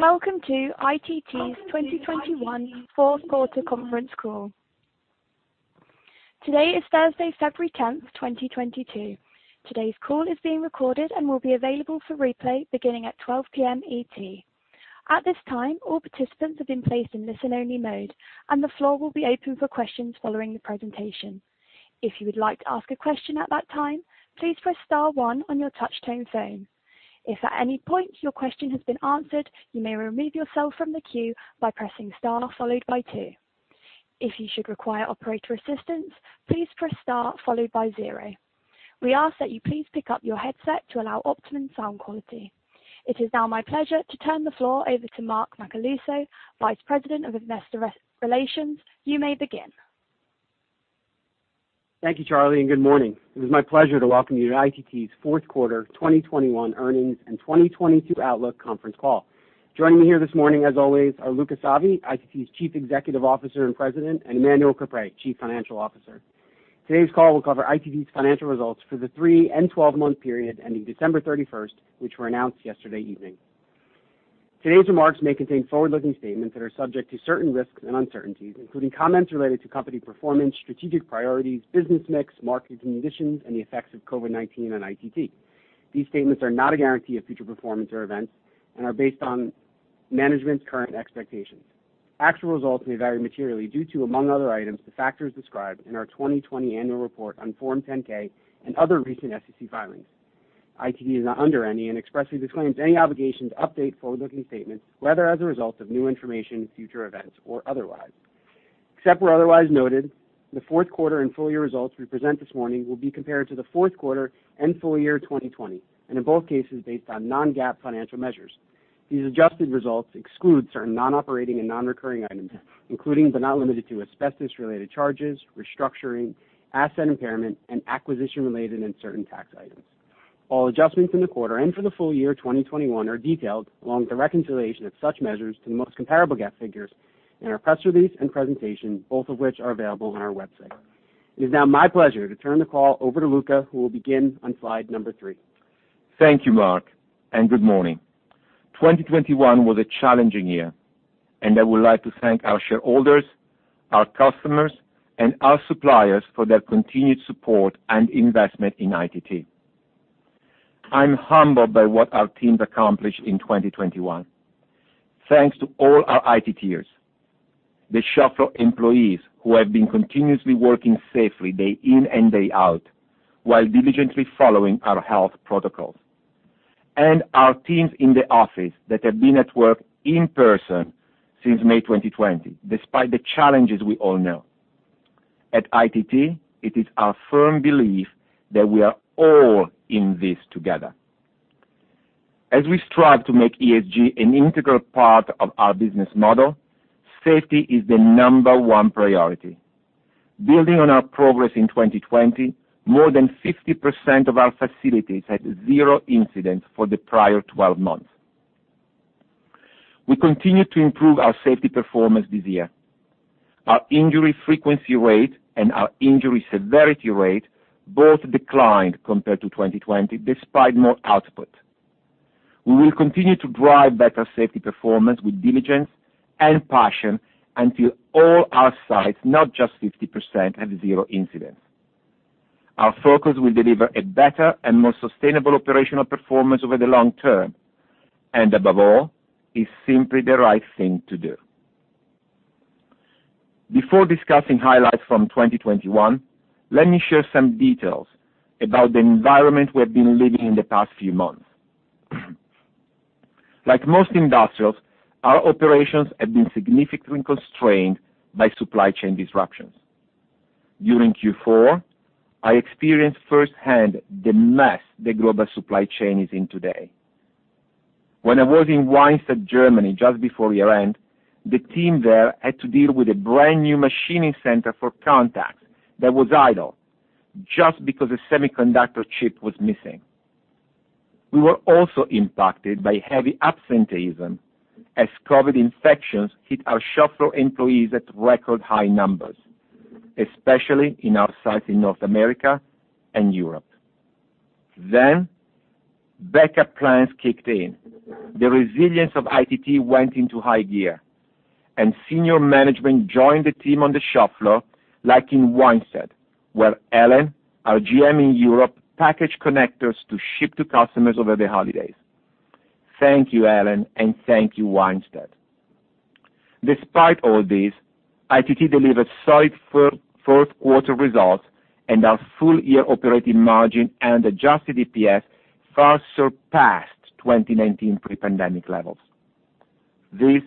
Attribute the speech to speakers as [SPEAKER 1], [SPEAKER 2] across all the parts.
[SPEAKER 1] Welcome to ITT's 2021 fourth quarter conference call. Today is Thursday, February 10, 2022. Today's call is being recorded and will be available for replay beginning at 12:00 P.M. ET. At this time, all participants have been placed in listen-only mode, and the floor will be open for questions following the presentation. If you would like to ask a question at that time, please press * one on your touchtone phone. If at any point your question has been answered, you may remove yourself from the queue by pressing * followed by two. If you should require operator assistance, please press * followed by zero. We ask that you please pick up your headset to allow optimum sound quality. It is now my pleasure to turn the floor over to Mark Macaluso, Vice President of Investor Relations. You may begin.
[SPEAKER 2] Thank you, Charlie, and good morning. It is my pleasure to welcome you to ITT's fourth quarter 2021 earnings and 2022 outlook conference call. Joining me here this morning, as always, are Luca Savi, ITT's Chief Executive Officer and President, and Vlad Bystricky, Chief Financial Officer. Today's call will cover ITT's financial results for the 3- and 12-month period ending December 31, which were announced yesterday evening. Today's remarks may contain forward-looking statements that are subject to certain risks and uncertainties, including comments related to company performance, strategic priorities, business mix, market conditions, and the effects of COVID-19 on ITT. These statements are not a guarantee of future performance or events and are based on management's current expectations. Actual results may vary materially due to, among other items, the factors described in our 2020 annual report on Form 10-K and other recent SEC filings. ITT is not under any and expressly disclaims any obligation to update forward-looking statements, whether as a result of new information, future events, or otherwise. Except where otherwise noted, the fourth quarter and full year results we present this morning will be compared to the fourth quarter and full year 2020, and in both cases, based on non-GAAP financial measures. These adjusted results exclude certain non-operating and non-recurring items, including but not limited to, asbestos-related charges, restructuring, asset impairment, and acquisition-related and certain tax items. All adjustments in the quarter and for the full year 2021 are detailed along with the reconciliation of such measures to the most comparable GAAP figures in our press release and presentation, both of which are available on our website. It is now my pleasure to turn the call over to Luca, who will begin on slide number three.
[SPEAKER 3] Thank you, Mark, and good morning. 2021 was a challenging year, and I would like to thank our shareholders, our customers, and our suppliers for their continued support and investment in ITT. I'm humbled by what our teams accomplished in 2021. Thanks to all our ITTers, the shop floor employees who have been continuously working safely day in and day out while diligently following our health protocols, and our teams in the office that have been at work in person since May 2020, despite the challenges we all know. At ITT, it is our firm belief that we are all in this together. As we strive to make ESG an integral part of our business model, safety is the number one priority. Building on our progress in 2020, more than 50% of our facilities had zero incidents for the prior twelve months. We continued to improve our safety performance this year. Our injury frequency rate and our injury severity rate both declined compared to 2020, despite more output. We will continue to drive better safety performance with diligence and passion until all our sites, not just 50%, have zero incidents. Our focus will deliver a better and more sustainable operational performance over the long term, and above all, it's simply the right thing to do. Before discussing highlights from 2021, let me share some details about the environment we have been living in the past few months. Like most industrials, our operations have been significantly constrained by supply chain disruptions. During Q4, I experienced firsthand the mess the global supply chain is in today. When I was in Weinstadt, Germany, just before year-end, the team there had to deal with a brand new machining center for contacts that was idle just because a semiconductor chip was missing. We were also impacted by heavy absenteeism as COVID infections hit our shop floor employees at record high numbers, especially in our sites in North America and Europe. Backup plans kicked in. The resilience of ITT went into high gear, and senior management joined the team on the shop floor, like in Weinstadt, where Alan, our GM in Europe, packaged connectors to ship to customers over the holidays. Thank you, Alan, and thank you, Weinstadt. Despite all this, ITT delivered solid fourth quarter results, and our full year operating margin and adjusted EPS far surpassed 2019 pre-pandemic levels. This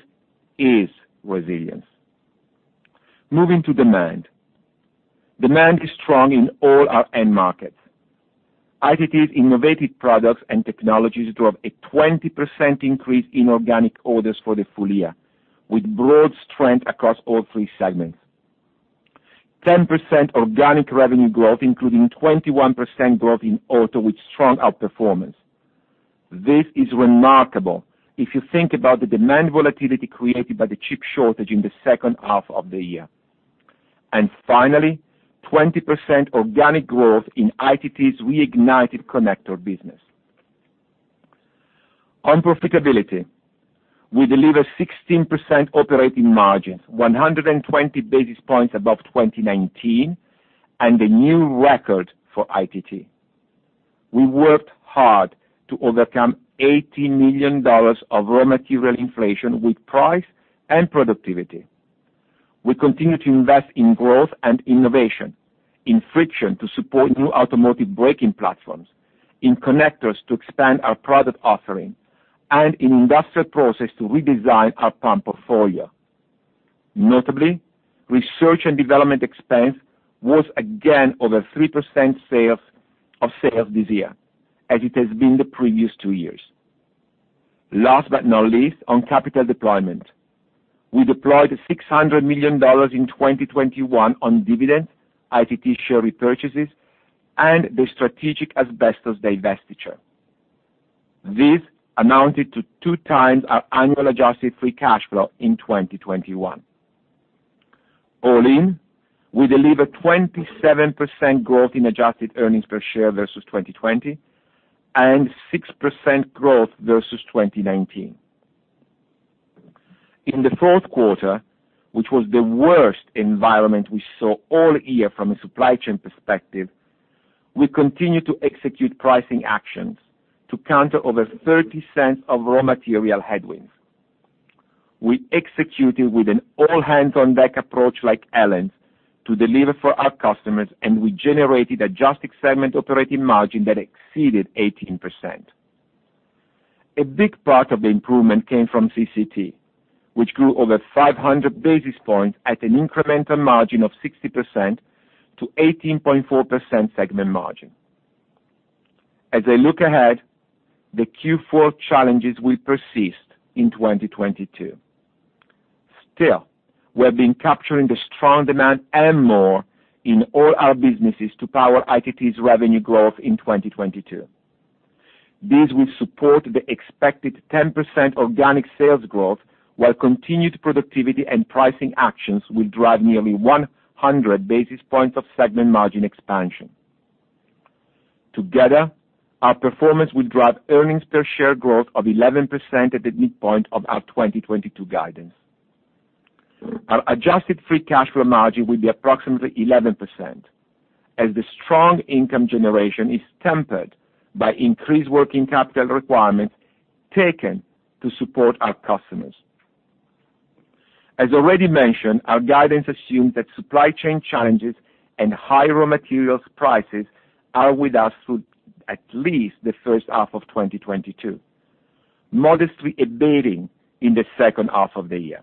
[SPEAKER 3] is resilience. Moving to demand. Demand is strong in all our end markets. ITT's innovative products and technologies drove a 20% increase in organic orders for the full year, with broad strength across all three segments. 10% organic revenue growth, including 21% growth in auto, with strong outperformance. This is remarkable if you think about the demand volatility created by the chip shortage in the second half of the year. Finally, 20% organic growth in ITT's reignited connector business. On profitability, we delivered 16% operating margin, 120 basis points above 2019, and a new record for ITT. We worked hard to overcome $80 million of raw material inflation with price and productivity. We continue to invest in growth and innovation, in friction to support new automotive braking platforms, in connectors to expand our product offering, and in Industrial Process to redesign our pump portfolio. Notably, research and development expense was again over 3% of sales this year, as it has been the previous two years. Last but not least, on capital deployment, we deployed $600 million in 2021 on dividends, ITT share repurchases, and the strategic asbestos divestiture. This amounted to 2 times our annual adjusted free cash flow in 2021. All in, we delivered 27% growth in adjusted earnings per share versus 2020, and 6% growth versus 2019. In the fourth quarter, which was the worst environment we saw all year from a supply chain perspective, we continued to execute pricing actions to counter over $0.30 of raw material headwinds. We executed with an all hands on deck approach like Alan's to deliver for our customers, and we generated adjusted segment operating margin that exceeded 18%. A big part of the improvement came from CCT, which grew over 500 basis points at an incremental margin of 60% to 18.4% segment margin. As I look ahead, the Q4 challenges will persist in 2022. Still, we have been capturing the strong demand and more in all our businesses to power ITT's revenue growth in 2022. This will support the expected 10% organic sales growth, while continued productivity and pricing actions will drive nearly 100 basis points of segment margin expansion. Together, our performance will drive earnings per share growth of 11% at the midpoint of our 2022 guidance. Our adjusted free cash flow margin will be approximately 11% as the strong income generation is tempered by increased working capital requirements taken to support our customers. As already mentioned, our guidance assumes that supply chain challenges and high raw materials prices are with us through at least the first half of 2022, modestly abating in the second half of the year.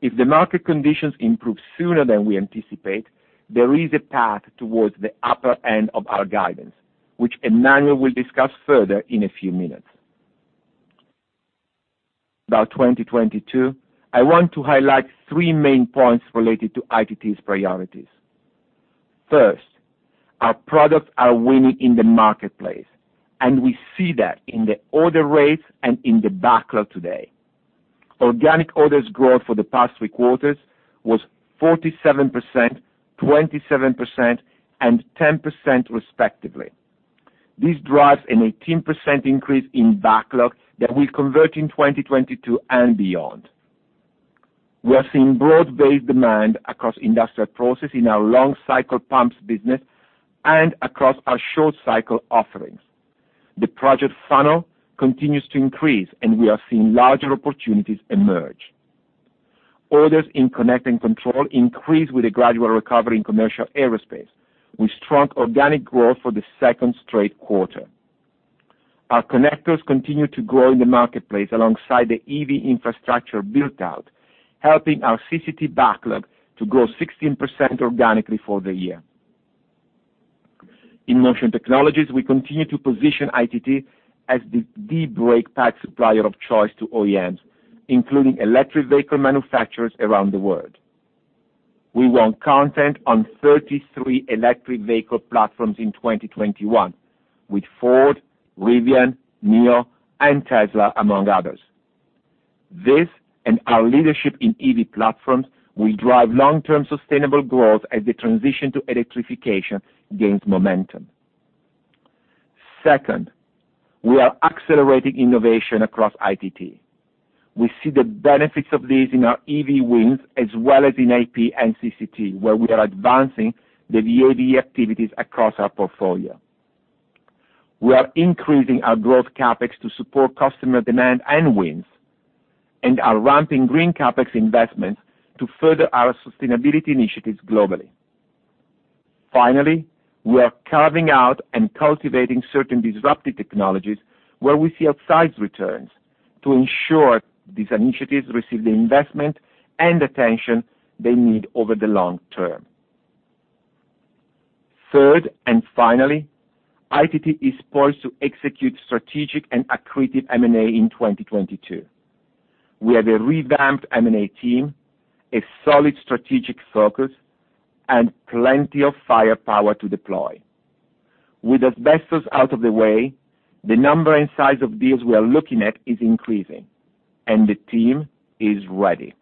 [SPEAKER 3] If the market conditions improve sooner than we anticipate, there is a path towards the upper end of our guidance, which Emmanuel will discuss further in a few minutes. About 2022, I want to highlight three main points related to ITT's priorities. First, our products are winning in the marketplace, and we see that in the order rates and in the backlog today. Organic orders growth for the past three quarters was 47%, 27%, and 10% respectively. This drives an 18% increase in backlog that we convert in 2022 and beyond. We are seeing broad-based demand across Industrial Process in our long cycle pumps business and across our short cycle offerings. The project funnel continues to increase, and we are seeing larger opportunities emerge. Orders in Connect & Control increased with a gradual recovery in commercial aerospace, with strong organic growth for the second straight quarter. Our connectors continue to grow in the marketplace alongside the EV infrastructure built out, helping our CCT backlog to grow 16% organically for the year. In Motion Technologies, we continue to position ITT as the brake pad supplier of choice to OEMs, including electric vehicle manufacturers around the world. We won content on 33 electric vehicle platforms in 2021 with Ford, Rivian, NIO, and Tesla, among others. This and our leadership in EV platforms will drive long-term sustainable growth as the transition to electrification gains momentum. Second, we are accelerating innovation across ITT. We see the benefits of this in our EV wins, as well as in IP and CCT, where we are advancing the VAVE activities across our portfolio. We are increasing our growth CapEx to support customer demand and wins, and are ramping green CapEx investments to further our sustainability initiatives globally. Finally, we are carving out and cultivating certain disruptive technologies where we see outsized returns to ensure these initiatives receive the investment and attention they need over the long term. Third and finally, ITT is poised to execute strategic and accretive M&A in 2022. We have a revamped M&A team, a solid strategic focus, and plenty of firepower to deploy. With asbestos out of the way, the number and size of deals we are looking at is increasing, and the team is ready.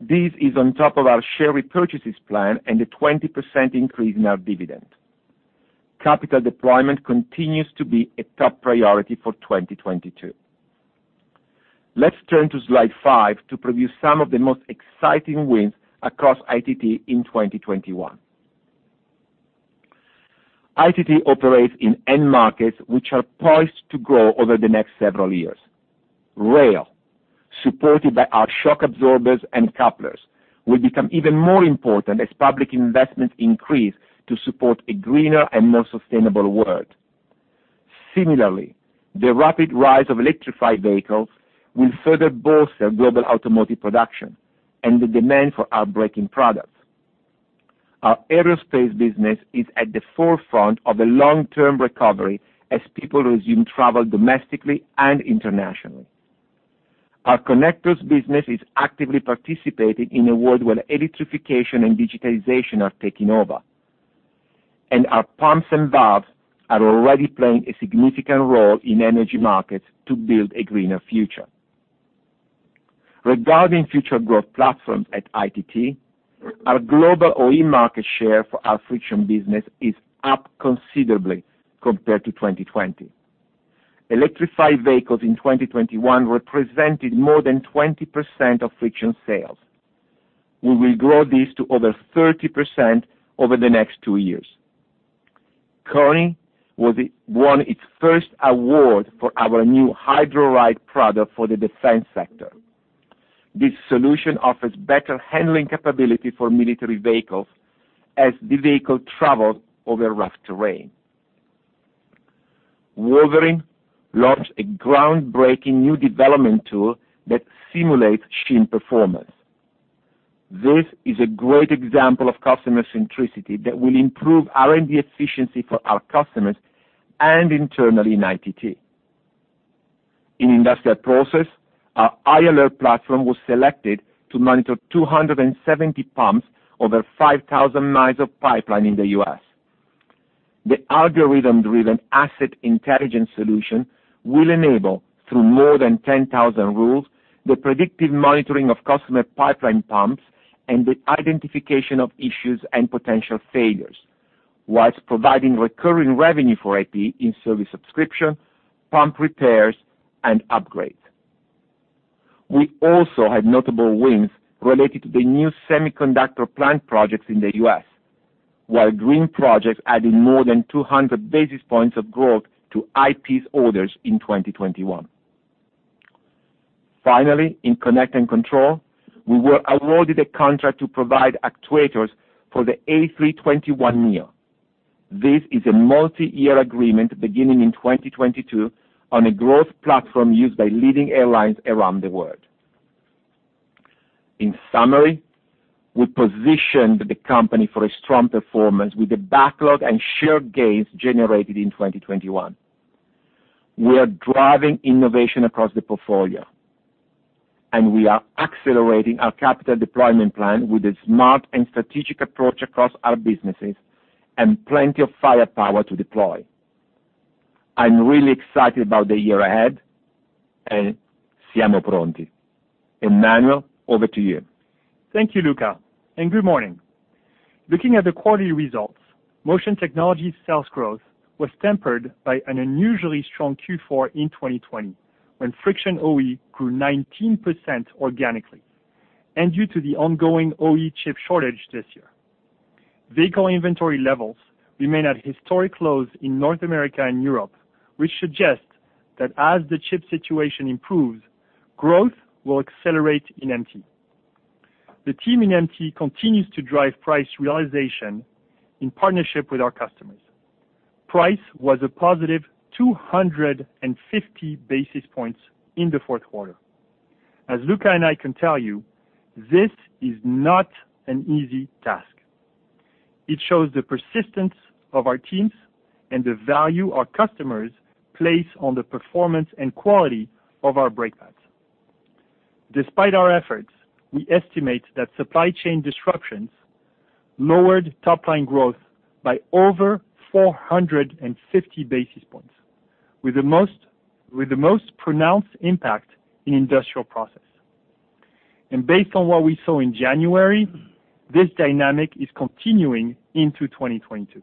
[SPEAKER 3] This is on top of our share repurchases plan and a 20% increase in our dividend. Capital deployment continues to be a top priority for 2022. Let's turn to slide 5 to preview some of the most exciting wins across ITT in 2021. ITT operates in end markets which are poised to grow over the next several years. Rail, supported by our shock absorbers and couplers, will become even more important as public investment increase to support a greener and more sustainable world. Similarly, the rapid rise of electrified vehicles will further bolster global automotive production and the demand for our braking products. Our aerospace business is at the forefront of a long-term recovery as people resume travel domestically and internationally. Our connectors business is actively participating in a world where electrification and digitization are taking over, and our pumps and valves are already playing a significant role in energy markets to build a greener future. Regarding future growth platforms at ITT, our global OE market share for our friction business is up considerably compared to 2020. Electrified vehicles in 2021 represented more than 20% of friction sales. We will grow this to over 30% over the next two years. KONI won its first award for our new Hydroride product for the defense sector. This solution offers better handling capability for military vehicles as the vehicle travels over rough terrain. Wolverine launched a groundbreaking new development tool that simulates seal performance. This is a great example of customer centricity that will improve R&D efficiency for our customers and internally in ITT. In Industrial Process, our i-ALERT platform was selected to monitor 270 pumps over 5,000 miles of pipeline in the U.S. The algorithm-driven asset intelligence solution will enable, through more than 10,000 rules, the predictive monitoring of customer pipeline pumps and the identification of issues and potential failures, while providing recurring revenue for IP in service subscription, pump repairs, and upgrades. We also had notable wins related to the new semiconductor plant projects in the U.S., while green projects added more than 200 basis points of growth to IP's orders in 2021. Finally, in Connect & Control, we were awarded a contract to provide actuators for the A321neo. This is a multi-year agreement beginning in 2022 on a growth platform used by leading airlines around the world. In summary, we positioned the company for a strong performance with the backlog and share gains generated in 2021. We are driving innovation across the portfolio, and we are accelerating our capital deployment plan with a smart and strategic approach across our businesses and plenty of firepower to deploy. I'm really excited about the year ahead. Vlad Bystricky, over to you.
[SPEAKER 4] Thank you, Luca, and good morning. Looking at the quarterly results, Motion Technologies sales growth was tempered by an unusually strong Q4 in 2020, when friction OE grew 19% organically and due to the ongoing OE chip shortage this year. Vehicle inventory levels remain at historic lows in North America and Europe, which suggests that as the chip situation improves, growth will accelerate in MT. The team in MT continues to drive price realization in partnership with our customers. Price was a positive 250 basis points in the fourth quarter. As Luca and I can tell you, this is not an easy task. It shows the persistence of our teams and the value our customers place on the performance and quality of our brake pads. Despite our efforts, we estimate that supply chain disruptions lowered top-line growth by over 450 basis points with the most pronounced impact in Industrial Process. Based on what we saw in January, this dynamic is continuing into 2022.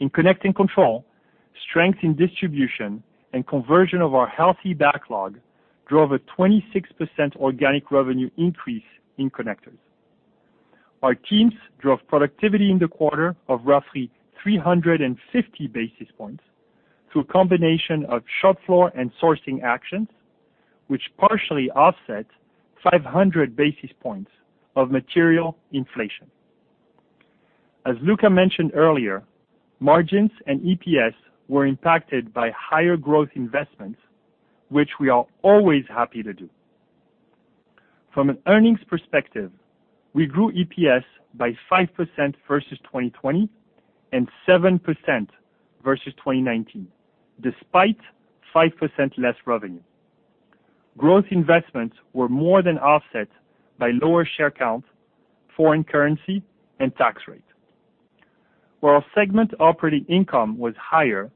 [SPEAKER 4] In Connect and Control, strength in distribution and conversion of our healthy backlog drove a 26% organic revenue increase in connectors. Our teams drove productivity in the quarter of roughly 350 basis points through a combination of shop floor and sourcing actions, which partially offset 500 basis points of material inflation. As Luca mentioned earlier, margins and EPS were impacted by higher growth investments, which we are always happy to do. From an earnings perspective, we grew EPS by 5% versus 2020 and 7% versus 2019, despite 5% less revenue. Growth investments were more than offset by lower share count, foreign currency, and tax rate. While segment operating income was higher,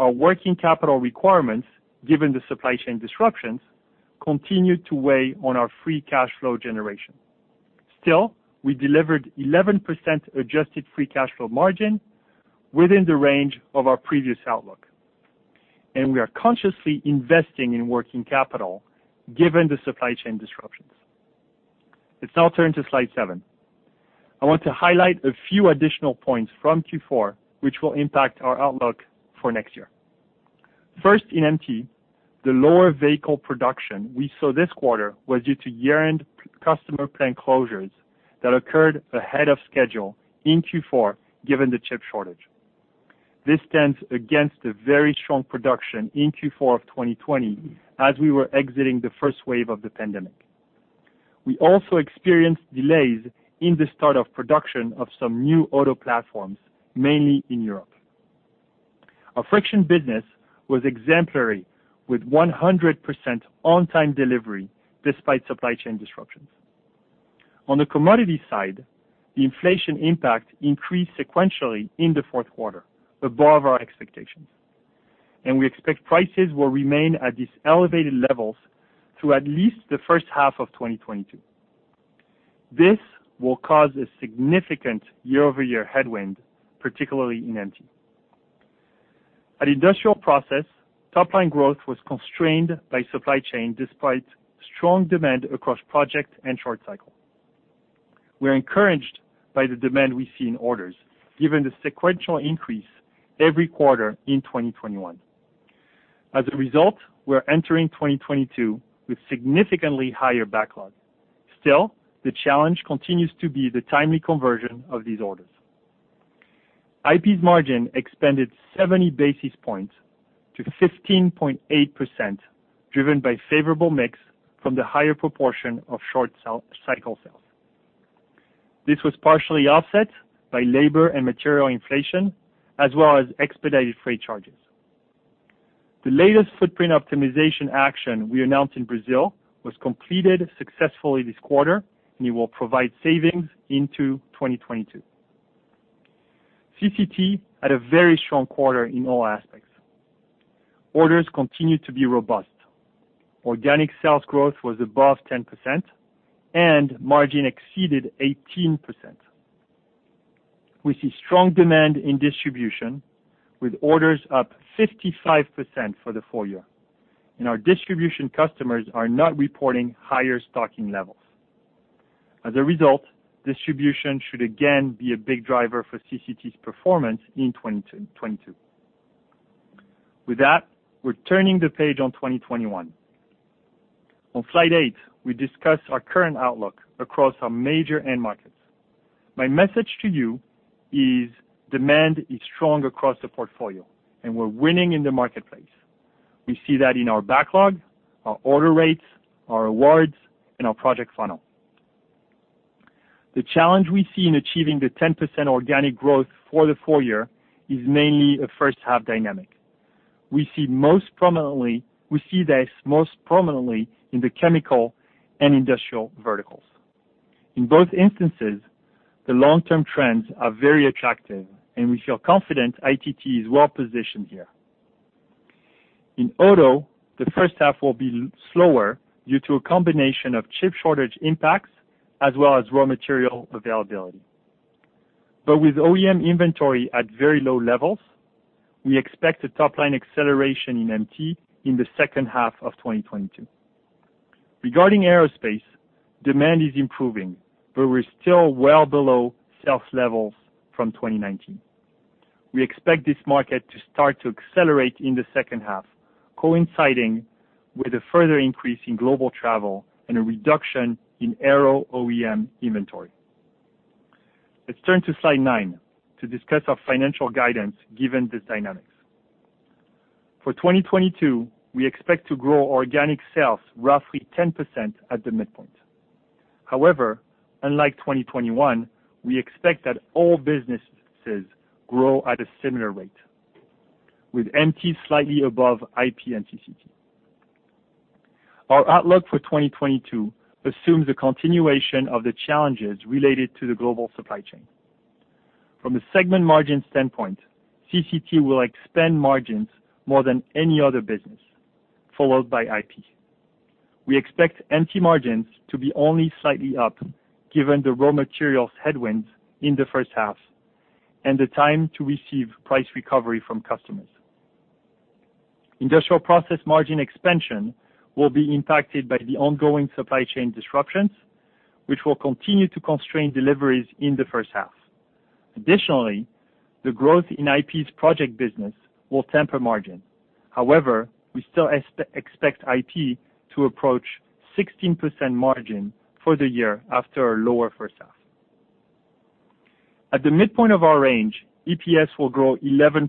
[SPEAKER 4] our working capital requirements, given the supply chain disruptions, continued to weigh on our free cash flow generation. Still, we delivered 11% adjusted free cash flow margin within the range of our previous outlook, and we are consciously investing in working capital given the supply chain disruptions. Let's now turn to slide 7. I want to highlight a few additional points from Q4 which will impact our outlook for next year. First, in MT, the lower vehicle production we saw this quarter was due to year-end customer plant closures that occurred ahead of schedule in Q4, given the chip shortage. This stands against a very strong production in Q4 of 2020 as we were exiting the first wave of the pandemic. We also experienced delays in the start of production of some new auto platforms, mainly in Europe. Our friction business was exemplary, with 100% on-time delivery despite supply chain disruptions. On the commodity side, the inflation impact increased sequentially in the fourth quarter above our expectations, and we expect prices will remain at these elevated levels through at least the first half of 2022. This will cause a significant year-over-year headwind, particularly in MT. At Industrial Process, top-line growth was constrained by supply chain despite strong demand across project and short cycle. We're encouraged by the demand we see in orders, given the sequential increase every quarter in 2021. As a result, we're entering 2022 with significantly higher backlog. Still, the challenge continues to be the timely conversion of these orders. IP's margin expanded 70 basis points to 15.8%, driven by favorable mix from the higher proportion of short-cycle sales. This was partially offset by labor and material inflation as well as expedited freight charges. The latest footprint optimization action we announced in Brazil was completed successfully this quarter, and it will provide savings into 2022. CCT had a very strong quarter in all aspects. Orders continued to be robust. Organic sales growth was above 10% and margin exceeded 18%. We see strong demand in distribution, with orders up 55% for the full year, and our distribution customers are not reporting higher stocking levels. As a result, distribution should again be a big driver for CCT's performance in 2022. With that, we're turning the page on 2021. On slide eight, we discuss our current outlook across our major end markets. My message to you is demand is strong across the portfolio, and we're winning in the marketplace. We see that in our backlog, our order rates, our awards, and our project funnel. The challenge we see in achieving the 10% organic growth for the full year is mainly a first-half dynamic. We see this most prominently in the chemical and industrial verticals. In both instances, the long-term trends are very attractive, and we feel confident ITT is well-positioned here. In auto, the first half will be slower due to a combination of chip shortage impacts as well as raw material availability. With OEM inventory at very low levels, we expect a top-line acceleration in MT in the second half of 2022. Regarding aerospace, demand is improving, but we're still well below sales levels from 2019. We expect this market to start to accelerate in the second half, coinciding with a further increase in global travel and a reduction in aero OEM inventory. Let's turn to slide 9 to discuss our financial guidance given these dynamics. For 2022, we expect to grow organic sales roughly 10% at the midpoint. However, unlike 2021, we expect that all businesses grow at a similar rate, with MT slightly above IP and CCT. Our outlook for 2022 assumes the continuation of the challenges related to the global supply chain. From a segment margin standpoint, CCT will expand margins more than any other business, followed by IP. We expect MT margins to be only slightly up given the raw materials headwinds in the first half and the time to receive price recovery from customers. Industrial process margin expansion will be impacted by the ongoing supply chain disruptions, which will continue to constrain deliveries in the first half. Additionally, the growth in IP's project business will temper margin. However, we still expect IP to approach 16% margin for the year after a lower first half. At the midpoint of our range, EPS will grow 11%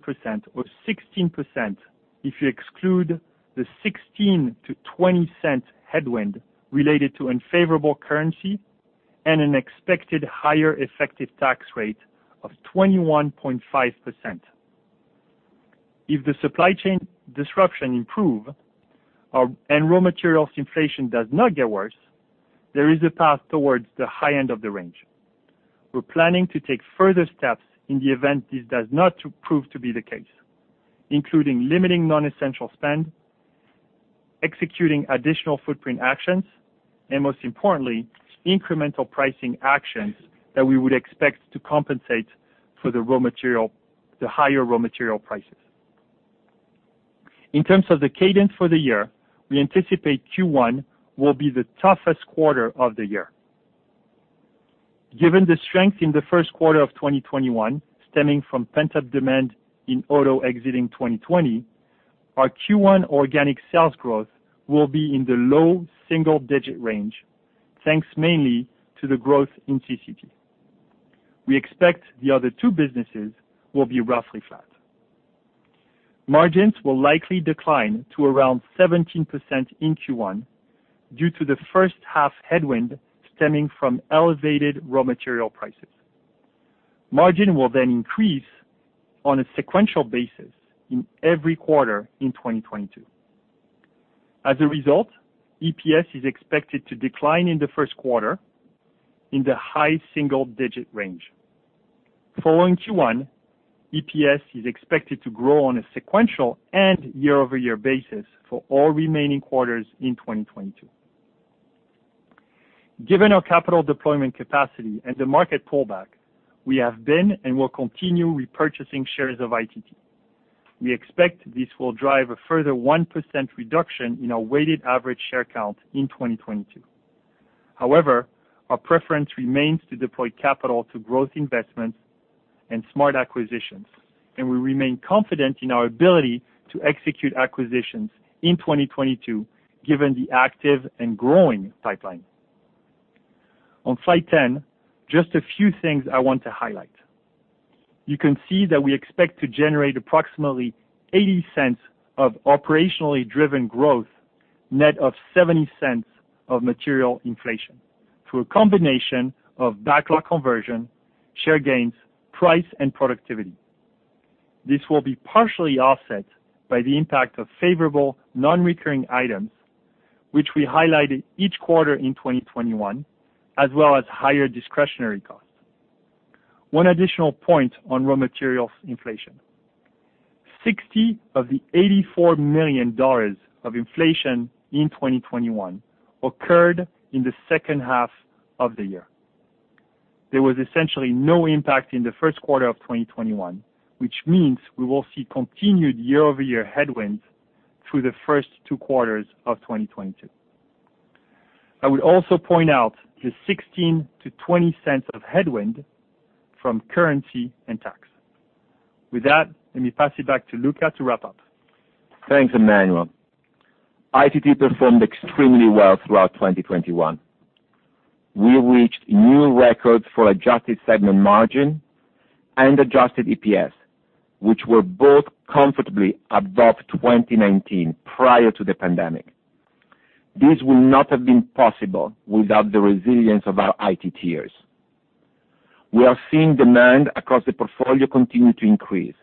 [SPEAKER 4] or 16% if you exclude the 16-20 cent headwind related to unfavorable currency and an expected higher effective tax rate of 21.5%. If the supply chain disruptions improve and raw materials inflation does not get worse, there is a path towards the high end of the range. We're planning to take further steps in the event this does not prove to be the case, including limiting non-essential spend, executing additional footprint actions, and most importantly, incremental pricing actions that we would expect to compensate for the raw material, the higher raw material prices. In terms of the cadence for the year, we anticipate Q1 will be the toughest quarter of the year. Given the strength in the first quarter of 2021, stemming from pent-up demand in auto exiting 2020, our Q1 organic sales growth will be in the low single-digit range, thanks mainly to the growth in CCT. We expect the other two businesses will be roughly flat. Margins will likely decline to around 17% in Q1 due to the first half headwind stemming from elevated raw material prices. Margin will then increase on a sequential basis in every quarter in 2022. As a result, EPS is expected to decline in the first quarter in the high single-digit range. Following Q1, EPS is expected to grow on a sequential and year-over-year basis for all remaining quarters in 2022. Given our capital deployment capacity and the market pullback, we have been and will continue repurchasing shares of ITT. We expect this will drive a further 1% reduction in our weighted average share count in 2022. However, our preference remains to deploy capital to growth investments and smart acquisitions, and we remain confident in our ability to execute acquisitions in 2022, given the active and growing pipeline. On slide 10, just a few things I want to highlight. You can see that we expect to generate approximately $0.80 of operationally driven growth, net of $0.70 of material inflation through a combination of backlog conversion, share gains, price, and productivity. This will be partially offset by the impact of favorable non-recurring items, which we highlighted each quarter in 2021, as well as higher discretionary costs. One additional point on raw materials inflation. 60 of the $84 million of inflation in 2021 occurred in the second half of the year. There was essentially no impact in the first quarter of 2021, which means we will see continued year-over-year headwinds through the first two quarters of 2022. I would also point out the $0.16-$0.20 of headwind from currency and tax. With that, let me pass it back to Luca to wrap up.
[SPEAKER 3] Thanks, Emmanuel. ITT performed extremely well throughout 2021. We reached new records for adjusted segment margin and adjusted EPS, which were both comfortably above 2019 prior to the pandemic. This would not have been possible without the resilience of our ITTers. We are seeing demand across the portfolio continue to increase.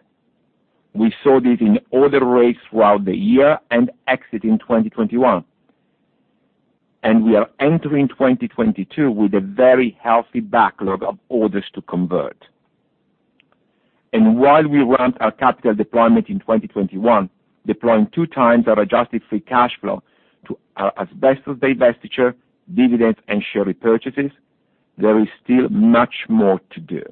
[SPEAKER 3] We saw this in order rates throughout the year and exiting 2021. We are entering 2022 with a very healthy backlog of orders to convert. While we ramped our capital deployment in 2021, deploying two times our adjusted free cash flow to our asbestos divestiture, dividends, and share repurchases, there is still much more to do.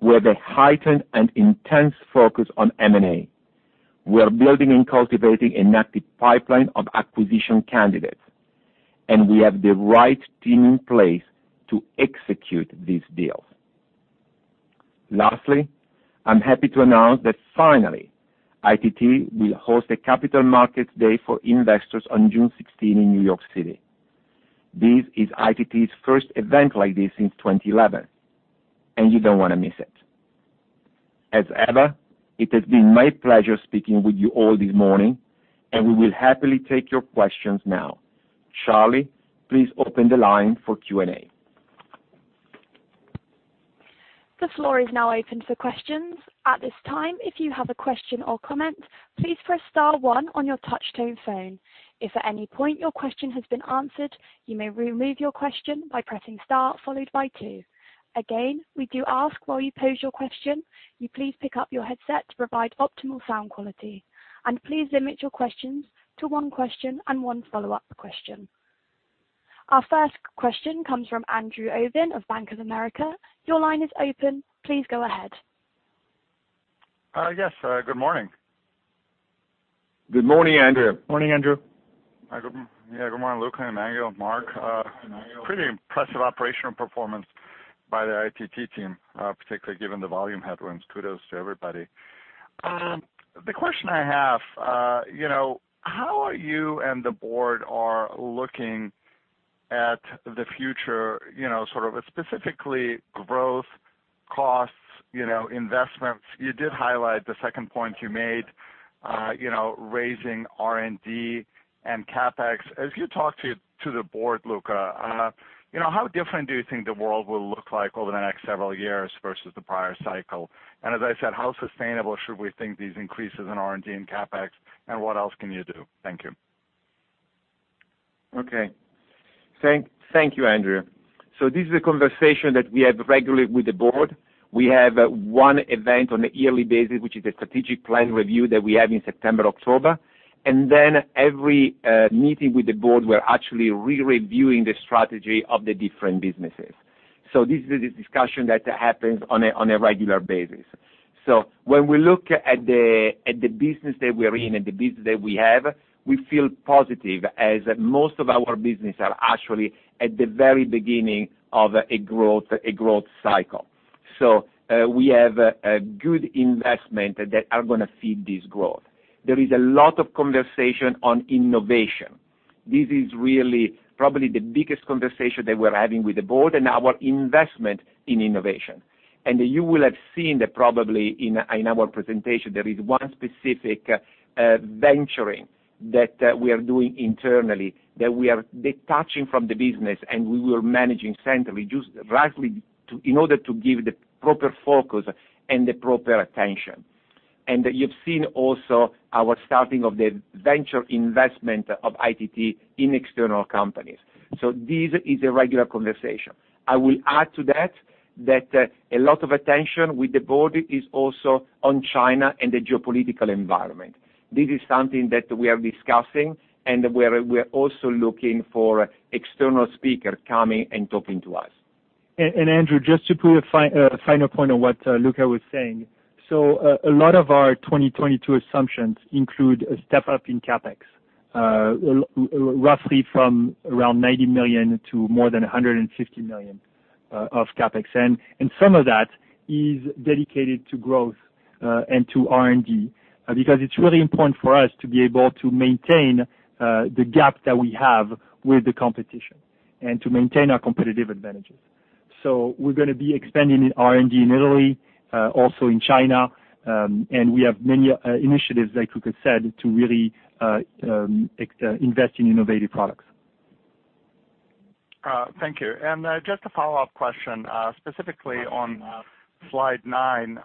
[SPEAKER 3] With a heightened and intense focus on M&A, we are building and cultivating an active pipeline of acquisition candidates, and we have the right team in place to execute these deals. Lastly, I'm happy to announce that finally, ITT will host a Capital Markets Day for investors on June 16 in New York City. This is ITT's first event like this since 2011, and you don't wanna miss it. As ever, it has been my pleasure speaking with you all this morning, and we will happily take your questions now. Charlie, please open the line for Q&A.
[SPEAKER 1] The floor is now open for questions. At this time, if you have a question or comment, please press * one on your touch tone phone. If at any point your question has been answered, you may remove your question by pressing * followed by two. Again, we do ask while you pose your question, you please pick up your headset to provide optimal sound quality. Please limit your questions to one question and one follow-up question. Our first question comes from Andrew Obin of Bank of America. Your line is open. Please go ahead.
[SPEAKER 5] Yes, good morning.
[SPEAKER 3] Good morning, Andrew.
[SPEAKER 4] Morning, Andrew.
[SPEAKER 5] Hi, good morning, Luca, Emmanuel, Mark. Pretty impressive operational performance by the ITT team, particularly given the volume headwinds. Kudos to everybody. The question I have, you know, how are you and the board are looking at the future, you know, sort of specifically growth, costs, you know, investments? You did highlight the second point you made. You know, raising R&D and CapEx. As you talk to the board, Luca, you know, how different do you think the world will look like over the next several years versus the prior cycle? As I said, how sustainable should we think these increases in R&D and CapEx, and what else can you do? Thank you.
[SPEAKER 3] Okay. Thank you, Andrew. This is a conversation that we have regularly with the board. We have one event on a yearly basis, which is a strategic plan review that we have in September, October. Every meeting with the board, we're actually re-reviewing the strategy of the different businesses. This is a discussion that happens on a regular basis. When we look at the business that we're in and the business that we have, we feel positive as most of our business are actually at the very beginning of a growth cycle. We have a good investment that are gonna feed this growth. There is a lot of conversation on innovation. This is really probably the biggest conversation that we're having with the board and our investment in innovation. You will have seen that probably in our presentation there is one specific venture that we are doing internally that we are detaching from the business and we're managing centrally in order to give the proper focus and the proper attention. You've seen also our starting of the venture investment of ITT in external companies. This is a regular conversation. I will add to that. A lot of attention with the board is also on China and the geopolitical environment. This is something that we are discussing, and we're also looking for external speaker coming and talking to us.
[SPEAKER 4] Andrew, just to put a final point on what Luca was saying. A lot of our 2022 assumptions include a step-up in CapEx, roughly from around $90 million to more than $150 million of CapEx. Some of that is dedicated to growth and to R&D, because it's really important for us to be able to maintain the gap that we have with the competition and to maintain our competitive advantages. We're gonna be expanding in R&D in Italy, also in China, and we have many initiatives, like Luca said, to really invest in innovative products.
[SPEAKER 5] Thank you. Just a follow-up question, specifically on slide nine,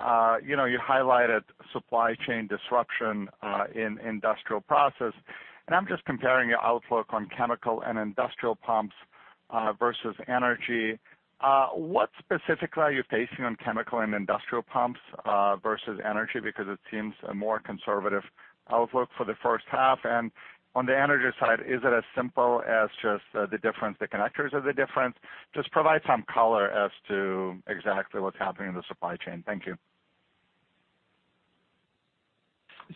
[SPEAKER 5] you know, you highlighted supply chain disruption in Industrial Process. I'm just comparing your outlook on chemical and industrial pumps versus energy. What specifically are you facing on chemical and industrial pumps versus energy? Because it seems a more conservative outlook for the first half. On the energy side, is it as simple as just the difference, the connectors are the difference? Just provide some color as to exactly what's happening in the supply chain. Thank you.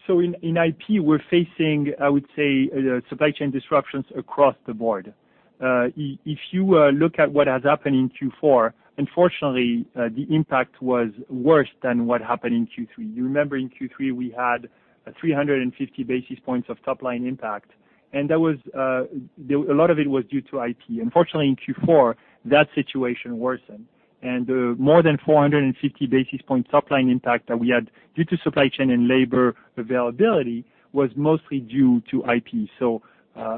[SPEAKER 4] In IP, we're facing, I would say, supply chain disruptions across the board. If you look at what has happened in Q4, unfortunately, the impact was worse than what happened in Q3. You remember in Q3, we had 350 basis points of top-line impact, and that was a lot of it was due to IP. Unfortunately, in Q4, that situation worsened, and more than 450 basis points top-line impact that we had due to supply chain and labor availability was mostly due to IP.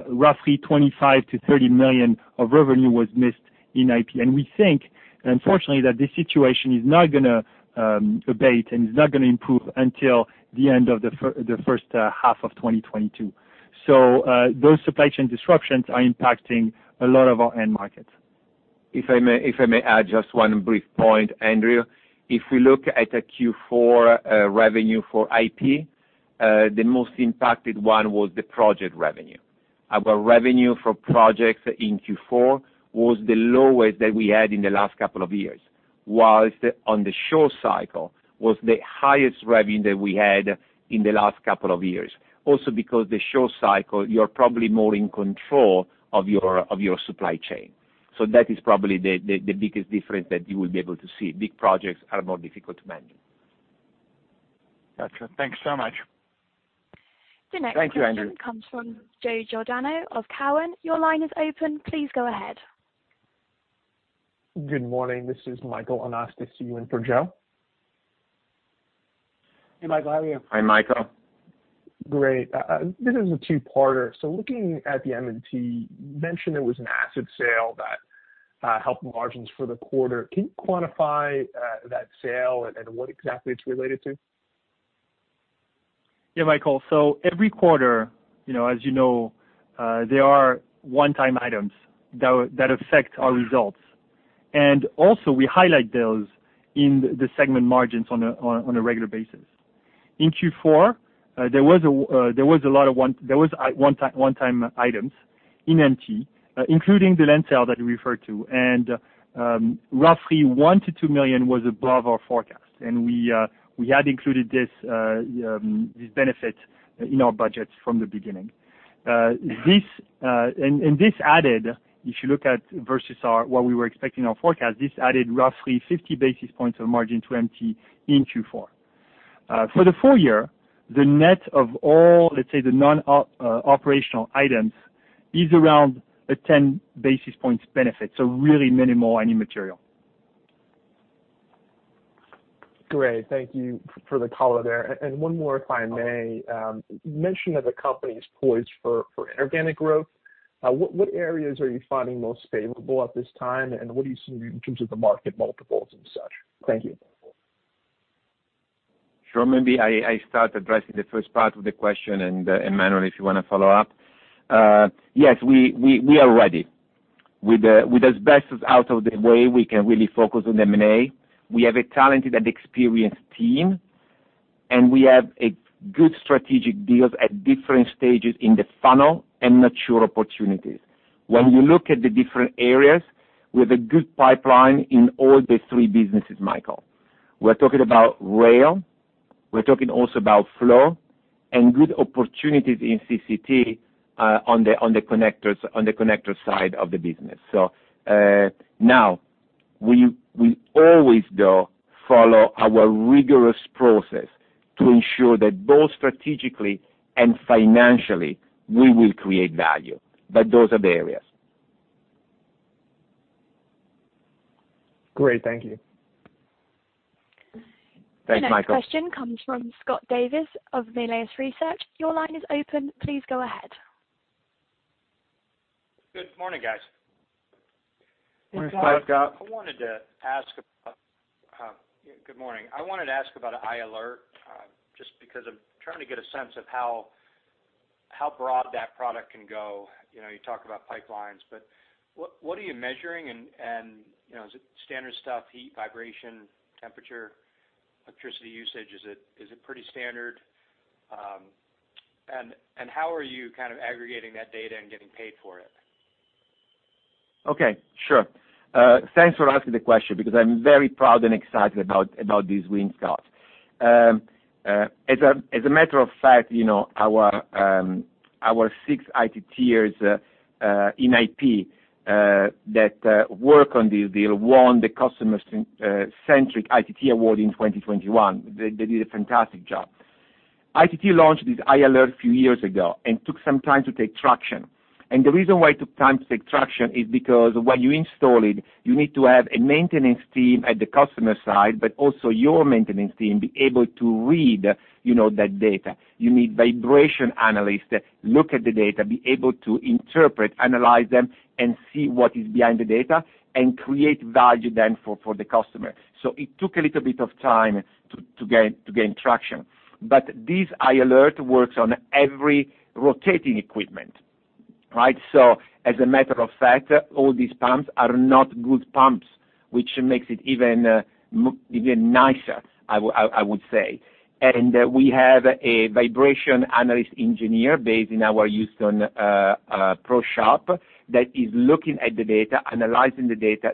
[SPEAKER 4] Roughly $25 million-$30 million of revenue was missed in IP. We think, unfortunately, that this situation is not gonna abate, and it's not gonna improve until the end of the first half of 2022. Those supply chain disruptions are impacting a lot of our end markets.
[SPEAKER 3] If I may add just one brief point, Andrew. If we look at the Q4 revenue for IP, the most impacted one was the project revenue. Our revenue for projects in Q4 was the lowest that we had in the last couple of years. While on the short cycle was the highest revenue that we had in the last couple of years. Also because the short cycle, you're probably more in control of your supply chain. So that is probably the biggest difference that you will be able to see. Big projects are more difficult to manage.
[SPEAKER 5] Gotcha. Thanks so much.
[SPEAKER 4] Thank you, Andrew.
[SPEAKER 1] The next question comes from Joe Giordano of Cowen. Your line is open. Please go ahead.
[SPEAKER 6] Good morning. This is Michael Anastasiou in for Joe.
[SPEAKER 4] Hey, Michael. How are you?
[SPEAKER 3] Hi, Michael.
[SPEAKER 6] Great. This is a two-parter. Looking at the MT, you mentioned there was an asset sale that helped margins for the quarter. Can you quantify that sale and what exactly it's related to?
[SPEAKER 4] Yeah, Michael. So every quarter, you know, as you know, there are one-time items that affect our results. Also, we highlight those in the segment margins on a regular basis. In Q4, there was a one-time items in MT, including the land sale that you referred to. Roughly $1 million-$2 million was above our forecast, and we had included this benefit in our budget from the beginning. This added, if you look at versus what we were expecting our forecast, roughly 50 basis points of margin to MT in Q4. For the full year, the net of all, let's say, the non-operational items is around 10 basis points benefit, so really minimal and immaterial. Great. Thank you for the color there. One more, if I may. You mentioned that the company is poised for inorganic growth. What areas are you finding most favorable at this time, and what do you see in terms of the market multiples and such? Thank you.
[SPEAKER 3] Sure. Maybe I start addressing the first part of the question, and Emmanuel, if you wanna follow up. Yes, we are ready. With asbestos out of the way, we can really focus on M&A. We have a talented and experienced team, and we have good strategic deals at different stages in the funnel and mature opportunities. When you look at the different areas, we have a good pipeline in all three businesses, Michael. We're talking about rail, we're talking also about flow, and good opportunities in CCT, on the connector side of the business. Now, we always do follow our rigorous process to ensure that both strategically and financially we will create value. Those are the areas.
[SPEAKER 6] Great. Thank you.
[SPEAKER 3] Thanks, Michael.
[SPEAKER 1] The next question comes from Scott Davis of Melius Research. Your line is open. Please go ahead.
[SPEAKER 7] Good morning, guys.
[SPEAKER 3] Morning, Scott.
[SPEAKER 4] Morning, Scott.
[SPEAKER 7] Good morning. I wanted to ask about i-ALERT, just because I'm trying to get a sense of how broad that product can go. You know, you talk about pipelines, but what are you measuring and, you know, is it standard stuff, heat, vibration, temperature, electricity usage? Is it pretty standard? And how are you kind of aggregating that data and getting paid for it?
[SPEAKER 3] Okay. Sure. Thanks for asking the question because I'm very proud and excited about this win, Scott. As a matter of fact, you know, our six ITT years in IP that work on this deal won the Customer Centric ITT Award in 2021. They did a fantastic job. ITT launched this i-ALERT a few years ago and took some time to gain traction. The reason why it took time to gain traction is because when you install it, you need to have a maintenance team at the customer side, but also your maintenance team be able to read, you know, that data. You need vibration analysts that look at the data, be able to interpret, analyze them, and see what is behind the data and create value then for the customer. It took a little bit of time to gain traction. This i-ALERT works on every rotating equipment, right? As a matter of fact, all these pumps are not good pumps, which makes it even nicer, I would say. We have a vibration analyst engineer based in our Houston ProShop that is looking at the data, analyzing the data,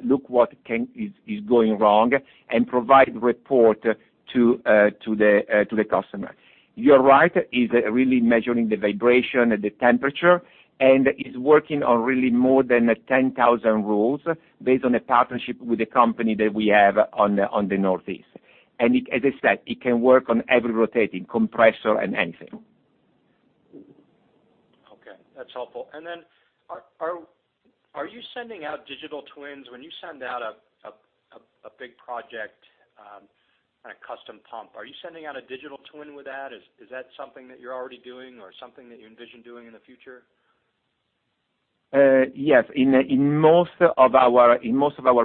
[SPEAKER 3] is going wrong and provide report to the customer. You're right, is really measuring the vibration and the temperature, and is working on really more than 10,000 rules based on a partnership with the company that we have on the Northeast. As I said, it can work on every rotating compressor and anything.
[SPEAKER 7] Okay. That's helpful. Are you sending out digital twins? When you send out a big project on a custom pump, are you sending out a digital twin with that? Is that something that you're already doing or something that you envision doing in the future?
[SPEAKER 3] Yes. In most of our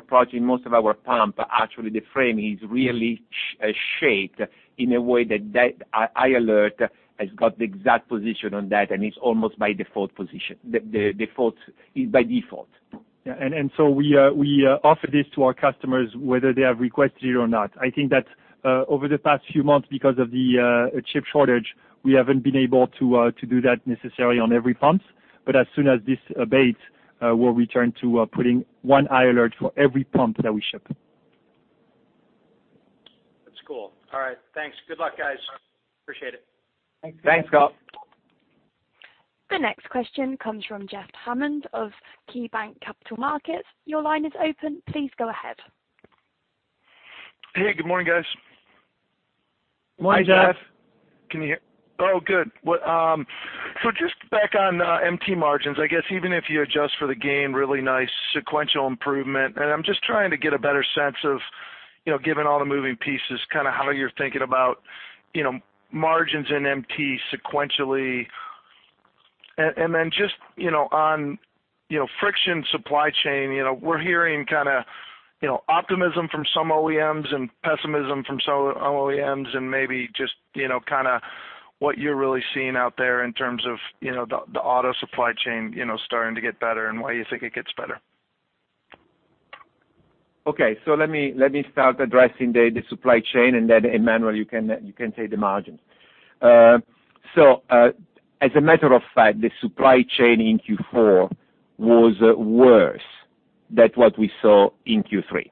[SPEAKER 3] projects, most of our pumps, actually the frame is really shaped in a way that i-ALERT has got the exact position on that, and it's almost the default position.
[SPEAKER 4] Yeah. We offer this to our customers, whether they have requested it or not. I think that over the past few months, because of the chip shortage, we haven't been able to do that necessarily on every pump. As soon as this abates, we'll return to putting one i-ALERT for every pump that we ship.
[SPEAKER 7] That's cool. All right. Thanks. Good luck, guys. Appreciate it.
[SPEAKER 3] Thanks, Scott.
[SPEAKER 1] The next question comes from Jeff Hammond of KeyBanc Capital Markets. Your line is open. Please go ahead.
[SPEAKER 8] Hey, good morning, guys.
[SPEAKER 3] Morning, Jeff.
[SPEAKER 4] Hi, Jeff.
[SPEAKER 8] Can you hear? Oh, good. What, so just back on MT margins, I guess even if you adjust for the gain, really nice sequential improvement. I'm just trying to get a better sense of, you know, given all the moving pieces, kinda how you're thinking about, you know, margins in MT sequentially. Then just, you know, on you know, friction supply chain, you know, we're hearing kinda, you know, optimism from some OEMs and pessimism from some OEMs and maybe just, you know, kinda what you're really seeing out there in terms of the auto supply chain, you know, starting to get better and why you think it gets better.
[SPEAKER 3] Let me start addressing the supply chain, and then Emmanuel, you can take the margins. As a matter of fact, the supply chain in Q4 was worse than what we saw in Q3.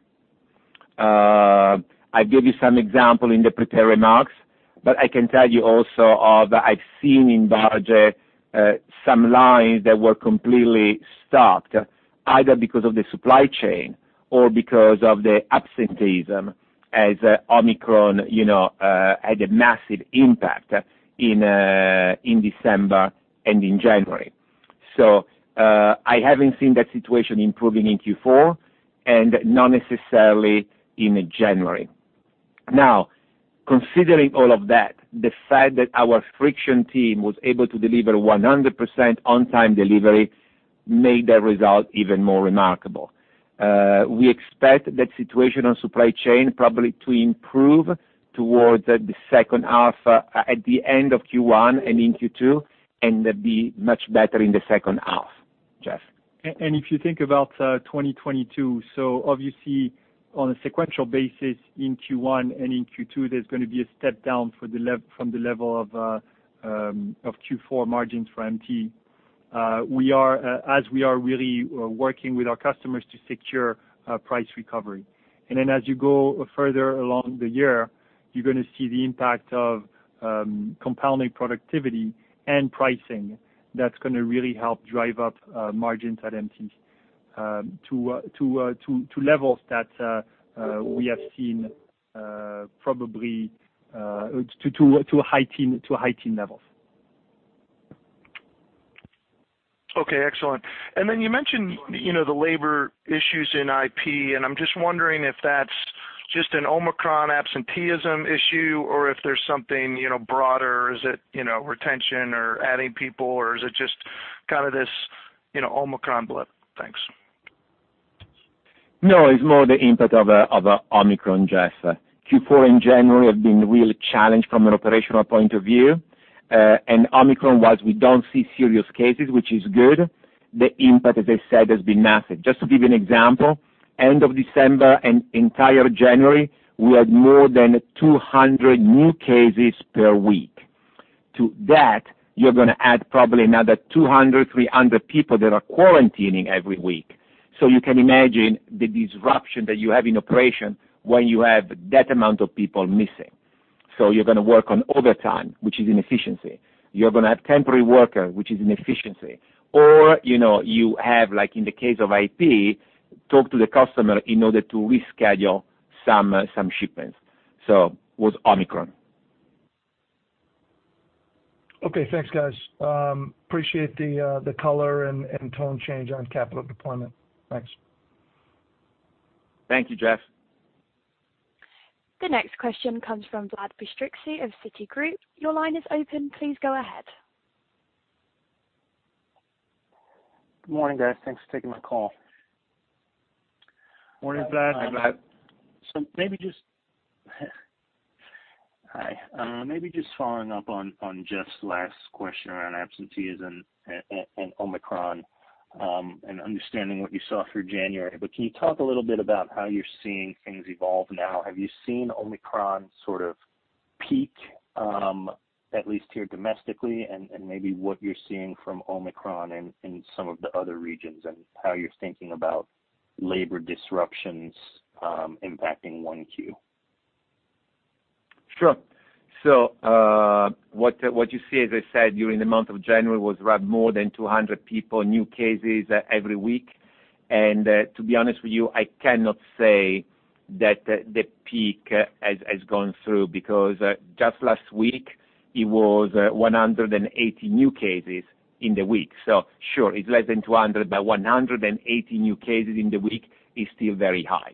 [SPEAKER 3] I gave you some example in the prepared remarks, but I can also tell you what I've seen in Barge, some lines that were completely stopped, either because of the supply chain or because of the absenteeism as Omicron had a massive impact in December and in January. I haven't seen that situation improving in Q4 and not necessarily in January. Now, considering all of that, the fact that our friction team was able to deliver 100% on time delivery made that result even more remarkable. We expect that situation on supply chain probably to improve towards the second half, at the end of Q1 and in Q2, and be much better in the second half. Jeff.
[SPEAKER 4] If you think about 2022, so obviously on a sequential basis in Q1 and in Q2, there's gonna be a step down from the level of Q4 margins for MT. We are really working with our customers to secure price recovery. As you go further along the year, you're gonna see the impact of compounding productivity and pricing that's gonna really help drive up margins at MT to levels that we have seen, probably to high teen levels.
[SPEAKER 8] Okay, excellent. You mentioned, you know, the labor issues in IP, and I'm just wondering if that's just an Omicron absenteeism issue or if there's something, you know, broader, is it, you know, retention or adding people or is it just kind of this, you know, Omicron blip? Thanks.
[SPEAKER 3] No, it's more the impact of Omicron, Jeff. Q4 and January have been really challenged from an operational point of view. Omicron, while we don't see serious cases, which is good, the impact, as I said, has been massive. Just to give you an example, end of December and entire January, we had more than 200 new cases per week. To that, you're gonna add probably another 200, 300 people that are quarantining every week. You can imagine the disruption that you have in operation when you have that amount of people missing. You're gonna work on overtime, which is inefficiency. You're gonna have temporary worker, which is inefficiency. Or, you know, you have, like in the case of IP, talk to the customer in order to reschedule some shipments. It was Omicron.
[SPEAKER 8] Okay, thanks guys. Appreciate the color and tone change on capital deployment. Thanks.
[SPEAKER 3] Thank you, Jeff.
[SPEAKER 1] The next question comes from Vlad Bystricky of Citigroup. Your line is open. Please go ahead.
[SPEAKER 9] Good morning, guys. Thanks for taking my call.
[SPEAKER 3] Morning, Vlad.
[SPEAKER 4] Hi, Vlad.
[SPEAKER 9] Hi, maybe just following up on Jeff's last question around absenteeism and Omicron, and understanding what you saw through January. Can you talk a little bit about how you're seeing things evolve now? Have you seen Omicron sort of peak, at least here domestically, and maybe what you're seeing from Omicron in some of the other regions and how you're thinking about labor disruptions impacting Q1?
[SPEAKER 3] Sure. What you see, as I said, during the month of January was around more than 200 people, new cases every week. To be honest with you, I cannot say that the peak has gone through because just last week it was 180 new cases in the week. Sure, it's less than 200, but 180 new cases in the week is still very high.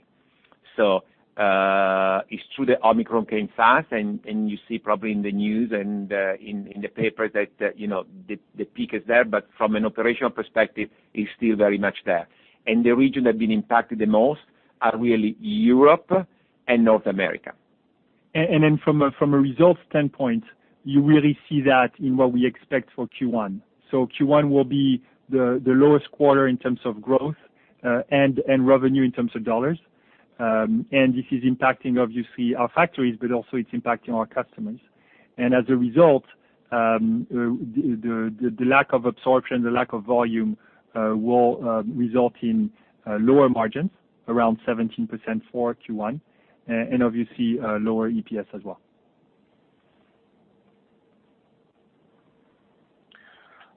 [SPEAKER 3] It's true that Omicron came fast and you see probably in the news and in the paper that you know the peak is there, but from an operational perspective, it's still very much there. The region that have been impacted the most are really Europe and North America.
[SPEAKER 4] From a results standpoint, you really see that in what we expect for Q1. Q1 will be the lowest quarter in terms of growth and revenue in terms of dollars. This is impacting obviously our factories, but also it's impacting our customers. As a result, the lack of absorption, the lack of volume will result in lower margins around 17% for Q1, and obviously lower EPS as well.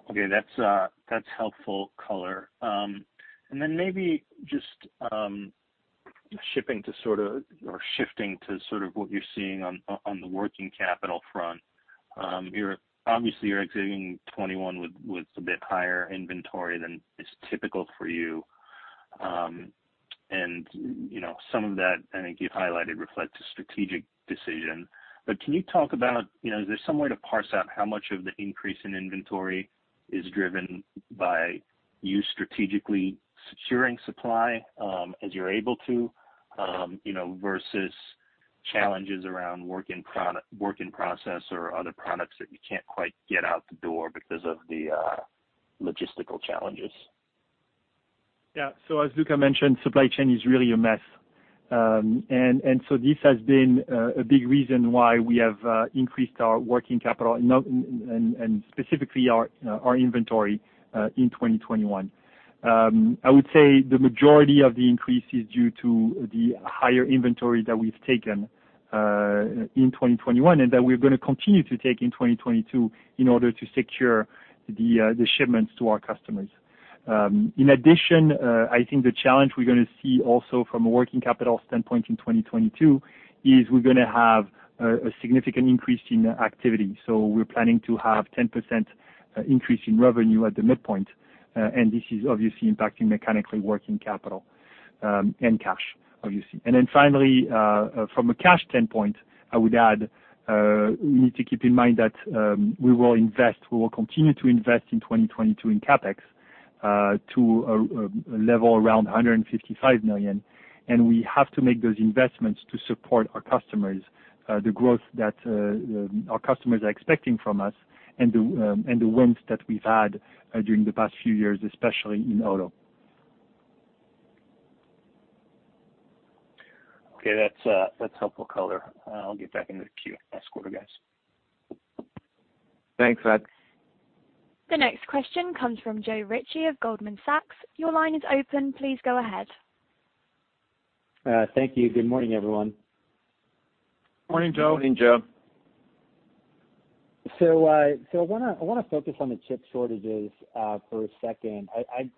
[SPEAKER 9] Okay, that's helpful color. Then maybe just shifting to sort of what you're seeing on the working capital front. You're obviously exiting 2021 with a bit higher inventory than is typical for you. You know, some of that I think you've highlighted reflects a strategic decision. Can you talk about, you know, is there some way to parse out how much of the increase in inventory is driven by you strategically securing supply as you're able to, you know, versus challenges around work in process or other products that you can't quite get out the door because of the logistical challenges?
[SPEAKER 4] Yeah. As Luca mentioned, supply chain is really a mess. This has been a big reason why we have increased our working capital, and specifically our inventory in 2021. I would say the majority of the increase is due to the higher inventory that we've taken in 2021, and that we're gonna continue to take in 2022 in order to secure the shipments to our customers.
[SPEAKER 3] In addition, I think the challenge we're gonna see also from a working capital standpoint in 2022 is we're gonna have a significant increase in activity. We're planning to have 10% increase in revenue at the midpoint. This is obviously impacting net working capital and cash, obviously. Finally, from a cash standpoint, I would add, we need to keep in mind that we will continue to invest in 2022 in CapEx to a level around $155 million, and we have to make those investments to support our customers, the growth that our customers are expecting from us and the wins that we've had during the past few years, especially in auto.
[SPEAKER 4] Okay. That's helpful color. I'll get back in the queue. Last quarter, guys.
[SPEAKER 3] Thanks, Ed.
[SPEAKER 1] The next question comes from Joe Ritchie of Goldman Sachs. Your line is open. Please go ahead.
[SPEAKER 10] Thank you. Good morning, everyone.
[SPEAKER 3] Morning, Joe.
[SPEAKER 4] Morning, Joe.
[SPEAKER 10] I wanna focus on the chip shortages for a second.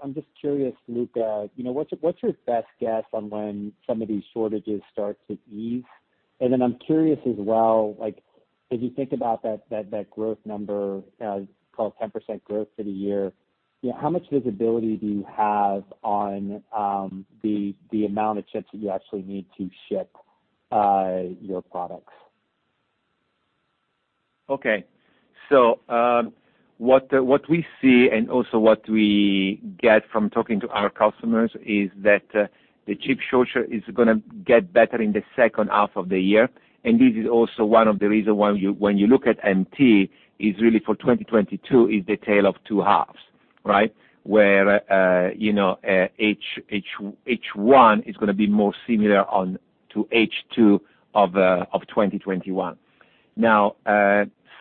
[SPEAKER 10] I'm just curious, Luca, you know, what's your best guess on when some of these shortages start to ease? Then I'm curious as well, like, as you think about that growth number called 10% growth for the year, you know, how much visibility do you have on the amount of chips that you actually need to ship your products?
[SPEAKER 3] Okay. What we see and also what we get from talking to our customers is that the chip shortage is gonna get better in the second half of the year. This is also one of the reasons why, when you look at MT, 2022 is really the tale of two halves, right? Where you know, H1 is gonna be more similar to H2 of 2021. Now,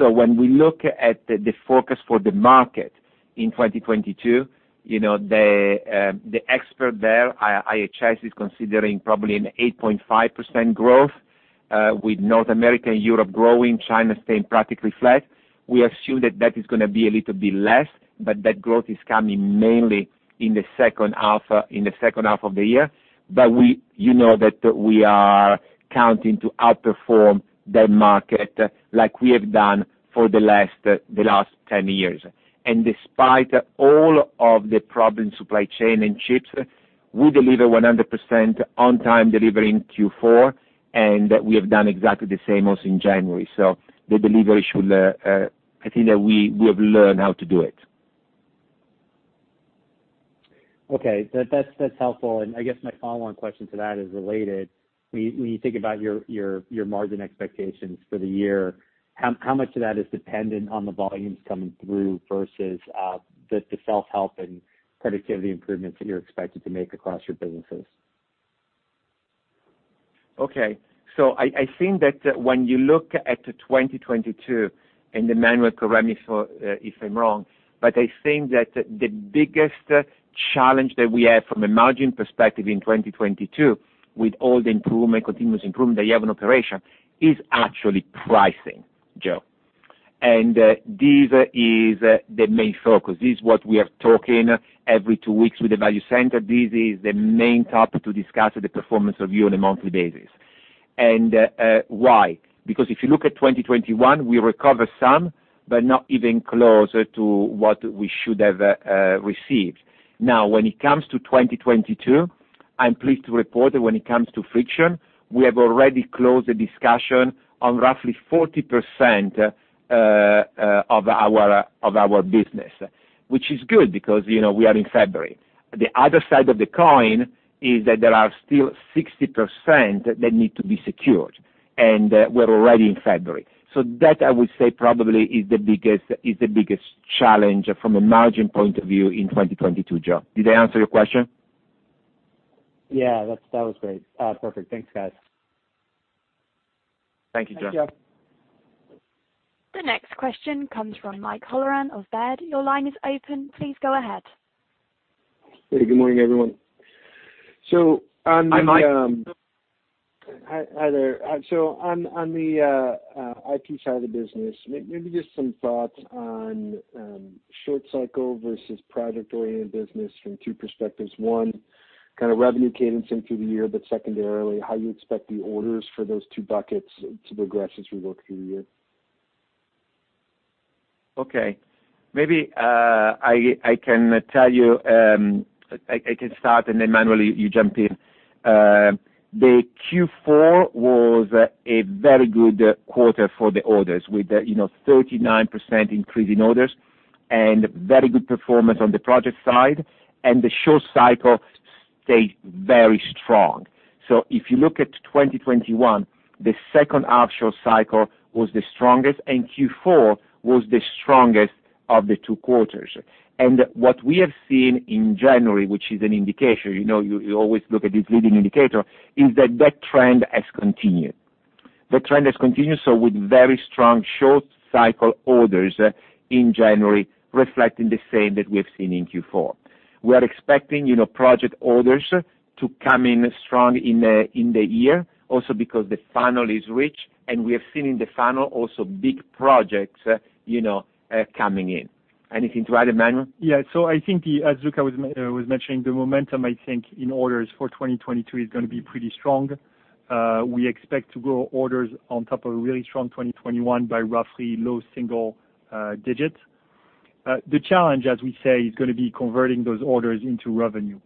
[SPEAKER 3] when we look at the forecast for the market in 2022, you know, the experts there, IHS is considering probably 8.5% growth with North America and Europe growing, China staying practically flat. We assume that is gonna be a little bit less, but that growth is coming mainly in the second half of the year. We, you know, that we are continuing to outperform that market like we have done for the last 10 years. Despite all of the problems supply chain and chips, we deliver 100% on-time delivery in Q4, and we have done exactly the same also in January. The delivery should. I think that we have learned how to do it.
[SPEAKER 10] Okay. That's helpful. I guess my follow-on question to that is related. When you think about your margin expectations for the year, how much of that is dependent on the volumes coming through versus the self-help and productivity improvements that you're expected to make across your businesses?
[SPEAKER 3] Okay. I think that when you look at the 2022, and then Emmanuel, correct me if I'm wrong, but I think that the biggest challenge that we have from a margin perspective in 2022 with all the improvement, continuous improvement that you have in operation, is actually pricing, Joe. This is the main focus. This is what we are talking every two weeks with the value center. This is the main topic to discuss the performance of you on a monthly basis. Why? Because if you look at 2021, we recover some, but not even closer to what we should have received. Now, when it comes to 2022, I'm pleased to report that when it comes to friction, we have already closed the discussion on roughly 40% of our business, which is good because, you know, we are in February. The other side of the coin is that there are still 60% that need to be secured, and we're already in February. That, I would say, probably is the biggest challenge from a margin point of view in 2022, Joe. Did I answer your question?
[SPEAKER 10] Yeah, that was great. Perfect. Thanks, guys.
[SPEAKER 3] Thank you, Joe.
[SPEAKER 4] Thanks, Joe.
[SPEAKER 1] The next question comes from Mike Halloran of Baird. Your line is open. Please go ahead.
[SPEAKER 11] Hey, good morning, everyone. On the
[SPEAKER 3] Hi, Mike.
[SPEAKER 11] Hi. Hi there. On the IP side of the business, maybe just some thoughts on short cycle versus project-oriented business from two perspectives. One, kind of revenue cadence in through the year, but secondarily, how you expect the orders for those two buckets to progress as we work through the year.
[SPEAKER 3] Okay. Maybe I can start and then, Emmanuel, you jump in. The Q4 was a very good quarter for the orders with the, you know, 39% increase in orders and very good performance on the project side, and the short cycle stayed very strong. If you look at 2021, the second half short cycle was the strongest, and Q4 was the strongest of the two quarters. What we have seen in January, which is an indication, you know, you always look at this leading indicator, is that the trend has continued. That trend has continued, so with very strong short cycle orders in January reflecting the same that we have seen in Q4. We are expecting, you know, project orders to come in strong in the year also because the funnel is rich, and we have seen in the funnel also big projects, you know, coming in. Anything to add, Emmanuel?
[SPEAKER 4] Yeah. I think, as Luca was mentioning, the momentum, I think, in orders for 2022 is gonna be pretty strong. We expect to grow orders on top of a really strong 2021 by roughly low single digits. The challenge, as we say, is gonna be converting those orders into revenue.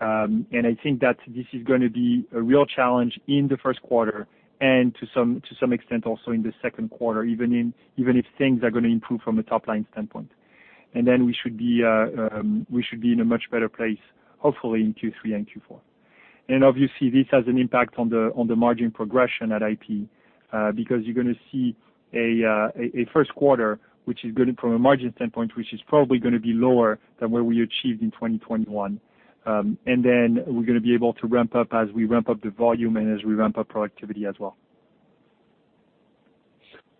[SPEAKER 4] I think that this is gonna be a real challenge in the first quarter, and to some extent, also in the second quarter, even if things are gonna improve from a top-line standpoint. Then we should be in a much better place, hopefully, in Q3 and Q4. Obviously, this has an impact on the margin progression at IP, because you're gonna see a first quarter, from a margin standpoint, which is probably gonna be lower than what we achieved in 2021. We're gonna be able to ramp up as we ramp up the volume and as we ramp up productivity as well.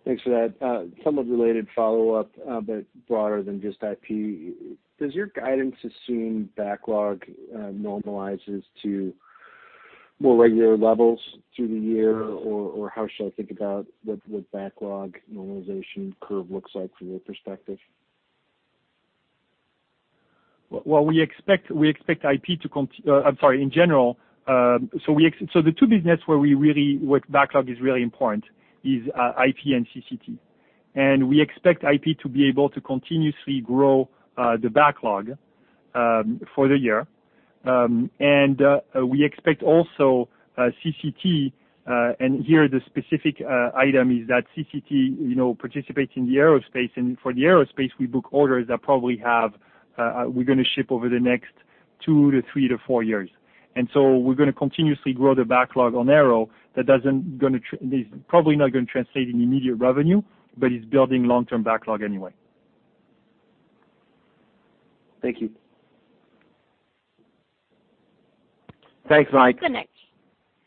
[SPEAKER 11] Thanks for that. Somewhat related follow-up, but broader than just IP. Does your guidance assume backlog normalizes to more regular levels through the year, or how should I think about what the backlog normalization curve looks like from your perspective?
[SPEAKER 4] The two business where backlog is really important is IP and CCT. We expect IP to be able to continuously grow the backlog for the year. We expect also CCT, and here the specific item is that CCT you know participates in the aerospace. For the aerospace, we book orders that we're gonna ship over the next 2 to 3 to 4 years. We're gonna continuously grow the backlog on aero that is probably not gonna translate in immediate revenue, but it's building long-term backlog anyway.
[SPEAKER 11] Thank you.
[SPEAKER 3] Thanks, Mike.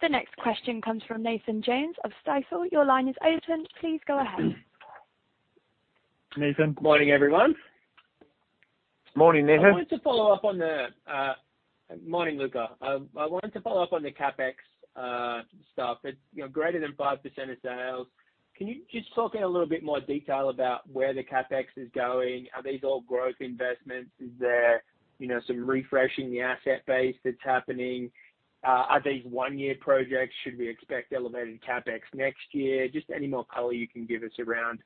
[SPEAKER 1] The next question comes from Nathan Jones of Stifel. Your line is open. Please go ahead.
[SPEAKER 4] Nathan.
[SPEAKER 12] Morning, everyone.
[SPEAKER 3] Morning, Nathan.
[SPEAKER 12] Morning, Luca. I wanted to follow up on the CapEx stuff. It's, you know, greater than 5% of sales. Can you just talk in a little bit more detail about where the CapEx is going? Are these all growth investments? Is there, you know, some refreshing the asset base that's happening? Are these 1-year projects? Should we expect elevated CapEx next year? Just any more color you can give us around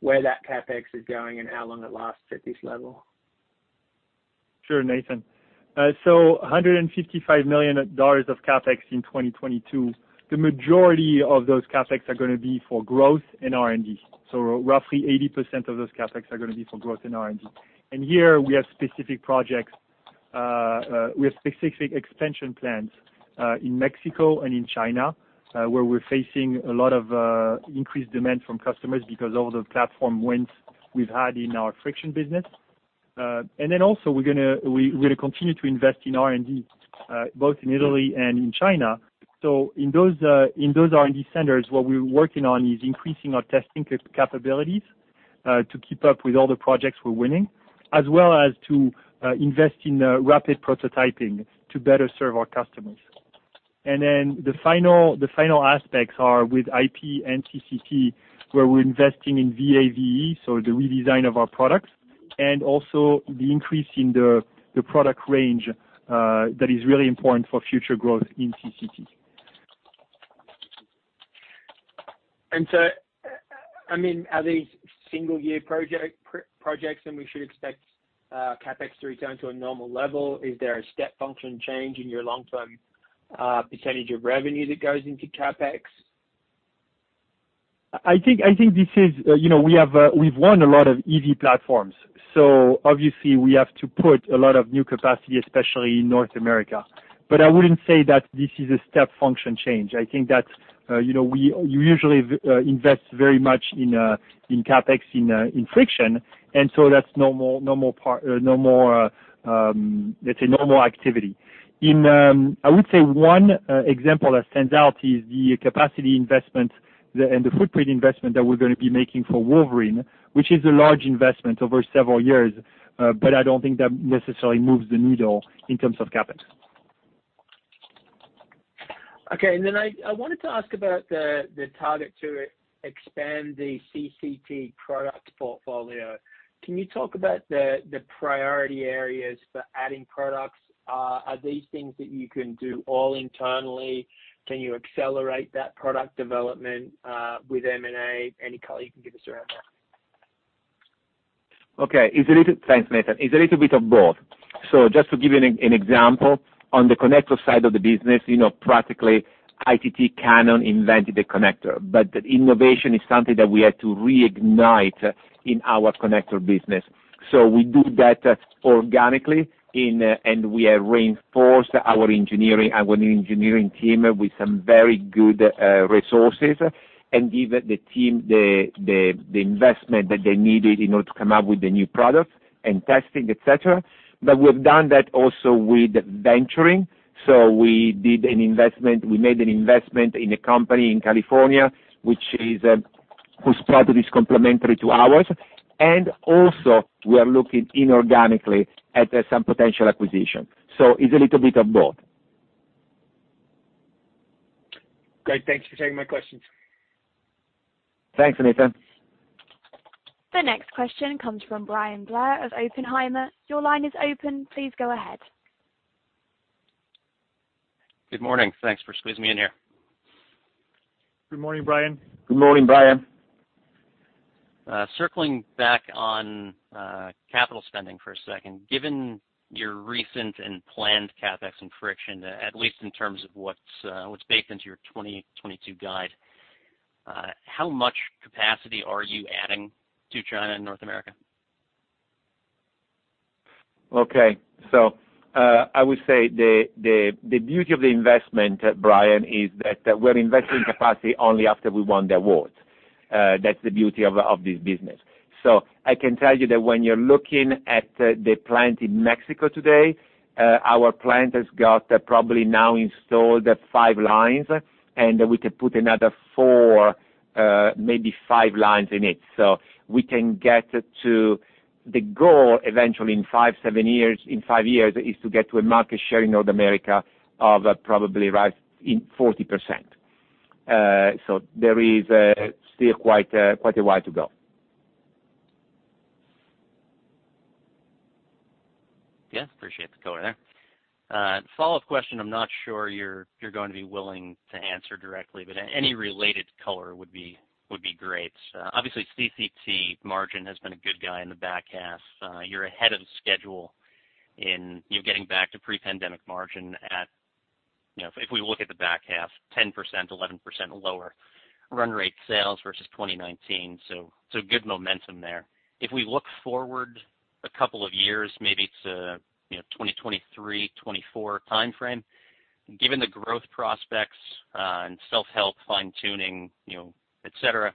[SPEAKER 12] where that CapEx is going and how long it lasts at this level.
[SPEAKER 4] Sure, Nathan. $155 million of CapEx in 2022. The majority of those CapEx are going to be for growth and R&D. Roughly 80% of those CapEx are going to be for growth and R&D. Here, we have specific expansion plans in Mexico and in China, where we're facing a lot of increased demand from customers because all the platform wins we've had in our friction business. We're going to continue to invest in R&D both in Italy and in China. In those R&D centers, what we're working on is increasing our testing capabilities to keep up with all the projects we're winning, as well as to invest in rapid prototyping to better serve our customers. The final aspects are with IP and CCT, where we're investing in VAVE, so the redesign of our products, and also the increase in the product range, that is really important for future growth in CCT.
[SPEAKER 12] I mean, are these single-year projects and we should expect CapEx to return to a normal level? Is there a step function change in your long-term percentage of revenue that goes into CapEx?
[SPEAKER 4] I think this is, you know, we've won a lot of EV platforms, so obviously we have to put a lot of new capacity, especially in North America. I wouldn't say that this is a step function change. I think that, you know, we usually invest very much in CapEx in friction, and so that's normal, let's say normal activity. I would say one example that stands out is the capacity investment and the footprint investment that we're gonna be making for Wolverine, which is a large investment over several years, but I don't think that necessarily moves the needle in terms of CapEx.
[SPEAKER 12] Okay. I wanted to ask about the target to expand the CCT product portfolio. Can you talk about the priority areas for adding products? Are these things that you can do all internally? Can you accelerate that product development with M&A? Any color you can give us around that.
[SPEAKER 3] Okay. Thanks, Nathan. It's a little bit of both. Just to give you an example, on the connector side of the business, you know, practically ITT Cannon invented the connector. Innovation is something that we had to reignite in our connector business. We do that organically and we have reinforced our engineering team with some very good resources and give the team the investment that they needed in order to come up with the new products and testing, et cetera. We've done that also with venturing. We made an investment in a company in California, which is whose product is complementary to ours. We are looking inorganically at some potential acquisition. It's a little bit of both.
[SPEAKER 12] Great. Thanks for taking my questions.
[SPEAKER 4] Thanks, Anita.
[SPEAKER 1] The next question comes from Bryan Blair of Oppenheimer. Your line is open. Please go ahead.
[SPEAKER 13] Good morning. Thanks for squeezing me in here.
[SPEAKER 4] Good morning, Bryan.
[SPEAKER 3] Good morning, Bryan.
[SPEAKER 13] Circling back on capital spending for a second. Given your recent and planned CapEx in Friction, at least in terms of what's baked into your 2022 guide, how much capacity are you adding to China and North America?
[SPEAKER 3] Okay. I would say the beauty of the investment, Brian, is that we're investing capacity only after we won the awards. That's the beauty of this business. I can tell you that when you're looking at the plant in Mexico today, our plant has got probably now installed 5 lines, and we can put another 4, maybe 5 lines in it. We can get to the goal eventually in 5-7 years. In 5 years is to get to a market share in North America of probably right in 40%. There is still quite a way to go.
[SPEAKER 13] Yeah. Appreciate the color there. Follow-up question I'm not sure you're gonna be willing to answer directly, but any related color would be great. Obviously, CCT margin has been a good guy in the back half. You're ahead of schedule in getting back to pre-pandemic margin at, you know, if we look at the back half 10%-11% lower run rate sales versus 2019, so good momentum there. If we look forward a couple of years, maybe it's a, you know, 2023-2024 timeframe, given the growth prospects and self-help, fine tuning, you know, et cetera,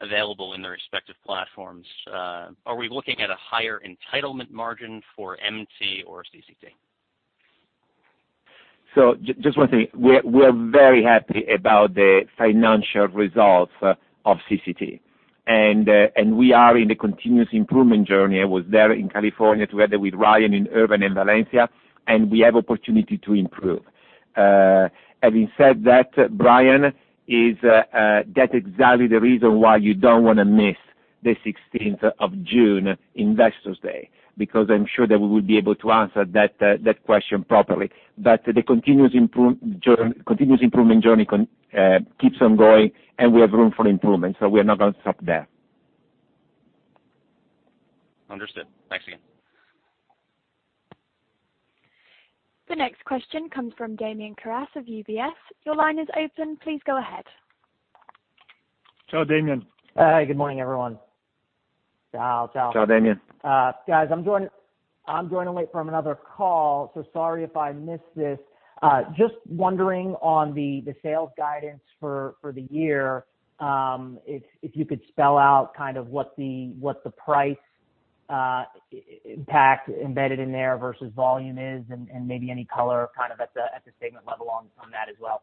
[SPEAKER 13] available in their respective platforms, are we looking at a higher entitlement margin for MT or CCT?
[SPEAKER 3] Just one thing. We're very happy about the financial results of CCT. We are in a continuous improvement journey. I was there in California together with Ryan in Irvine and Valencia, and we have opportunity to improve. Having said that, Bryan, that's exactly the reason why you don't wanna miss the sixteenth of June Investors Day, because I'm sure that we will be able to answer that that question properly. The continuous improvement journey keeps on going, and we have room for improvement, so we are not gonna stop there.
[SPEAKER 13] Understood. Thanks again.
[SPEAKER 1] The next question comes from Damian Karas of UBS. Your line is open. Please go ahead.
[SPEAKER 4] Ciao, Damian.
[SPEAKER 14] Hi, good morning, everyone. [Ciao, ciao.]
[SPEAKER 3] Ciao, Damian.
[SPEAKER 14] Guys, I'm joining late from another call, so sorry if I missed this. Just wondering on the sales guidance for the year, if you could spell out kind of what the price impact embedded in there versus volume is and maybe any color kind of at the statement level on that as well.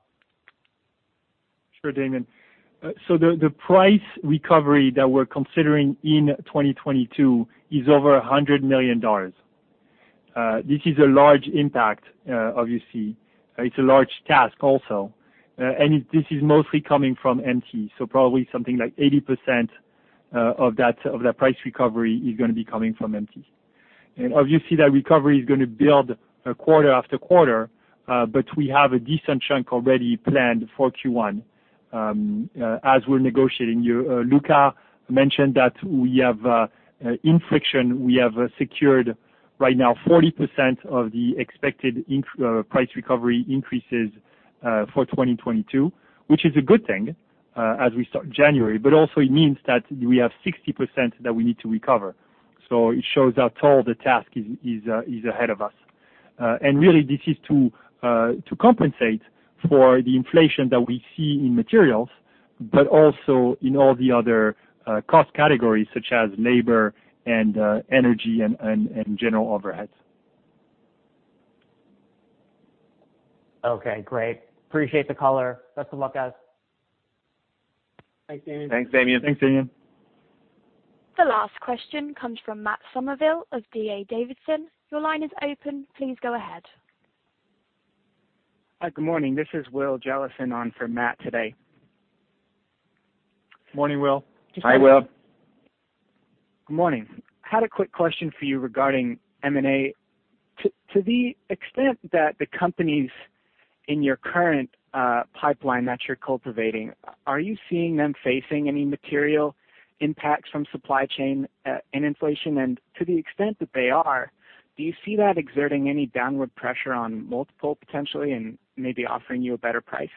[SPEAKER 4] Sure, Damian. So the price recovery that we're considering in 2022 is over $100 million. This is a large impact, obviously. It's a large task also. This is mostly coming from MT, so probably something like 80% of that price recovery is gonna be coming from MT. Obviously, that recovery is gonna build quarter after quarter, but we have a decent chunk already planned for Q1 as we're negotiating. Luca mentioned that we have in Friction we have secured right now 40% of the expected price recovery increases for 2022, which is a good thing as we start January. Also it means that we have 60% that we need to recover. It shows how tall the task is ahead of us. Really this is to compensate for the inflation that we see in materials, but also in all the other cost categories such as labor and energy and general overheads.
[SPEAKER 14] Okay. Great. Appreciate the color. Best of luck, guys.
[SPEAKER 4] Thanks, Damian.
[SPEAKER 3] Thanks, Damian.
[SPEAKER 4] Thanks, Damian.
[SPEAKER 1] The last question comes from Will Jellison of D.A. Davidson. Your line is open. Please go ahead.
[SPEAKER 15] Hi. Good morning. This is Will Jellison on for Matt today.
[SPEAKER 4] Morning, Will.
[SPEAKER 3] Hi, Will.
[SPEAKER 16] Good morning. I had a quick question for you regarding M&A. To the extent that the companies in your current pipeline that you're cultivating, are you seeing them facing any material impacts from supply chain and inflation? To the extent that they are, do you see that exerting any downward pressure on multiple potentially and maybe offering you a better price?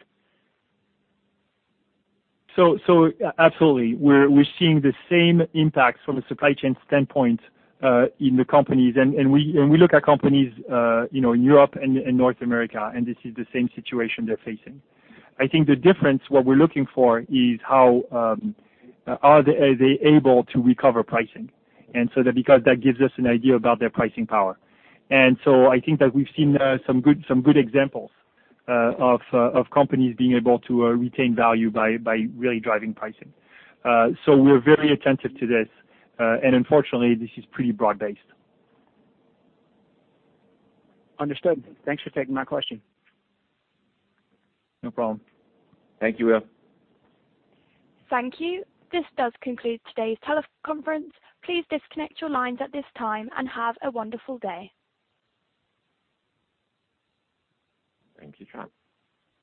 [SPEAKER 4] Absolutely. We're seeing the same impacts from a supply chain standpoint in the companies. We look at companies, you know, in Europe and North America, and this is the same situation they're facing. I think the difference, what we're looking for is how are they able to recover pricing that, because that gives us an idea about their pricing power. I think that we've seen some good examples of companies being able to retain value by really driving pricing. We're very attentive to this, and unfortunately, this is pretty broad-based.
[SPEAKER 16] Understood. Thanks for taking my question.
[SPEAKER 4] No problem.
[SPEAKER 3] Thank you, Will.
[SPEAKER 1] Thank you. This does conclude today's teleconference. Please disconnect your lines at this time and have a wonderful day.
[SPEAKER 4] Thank you, Tram.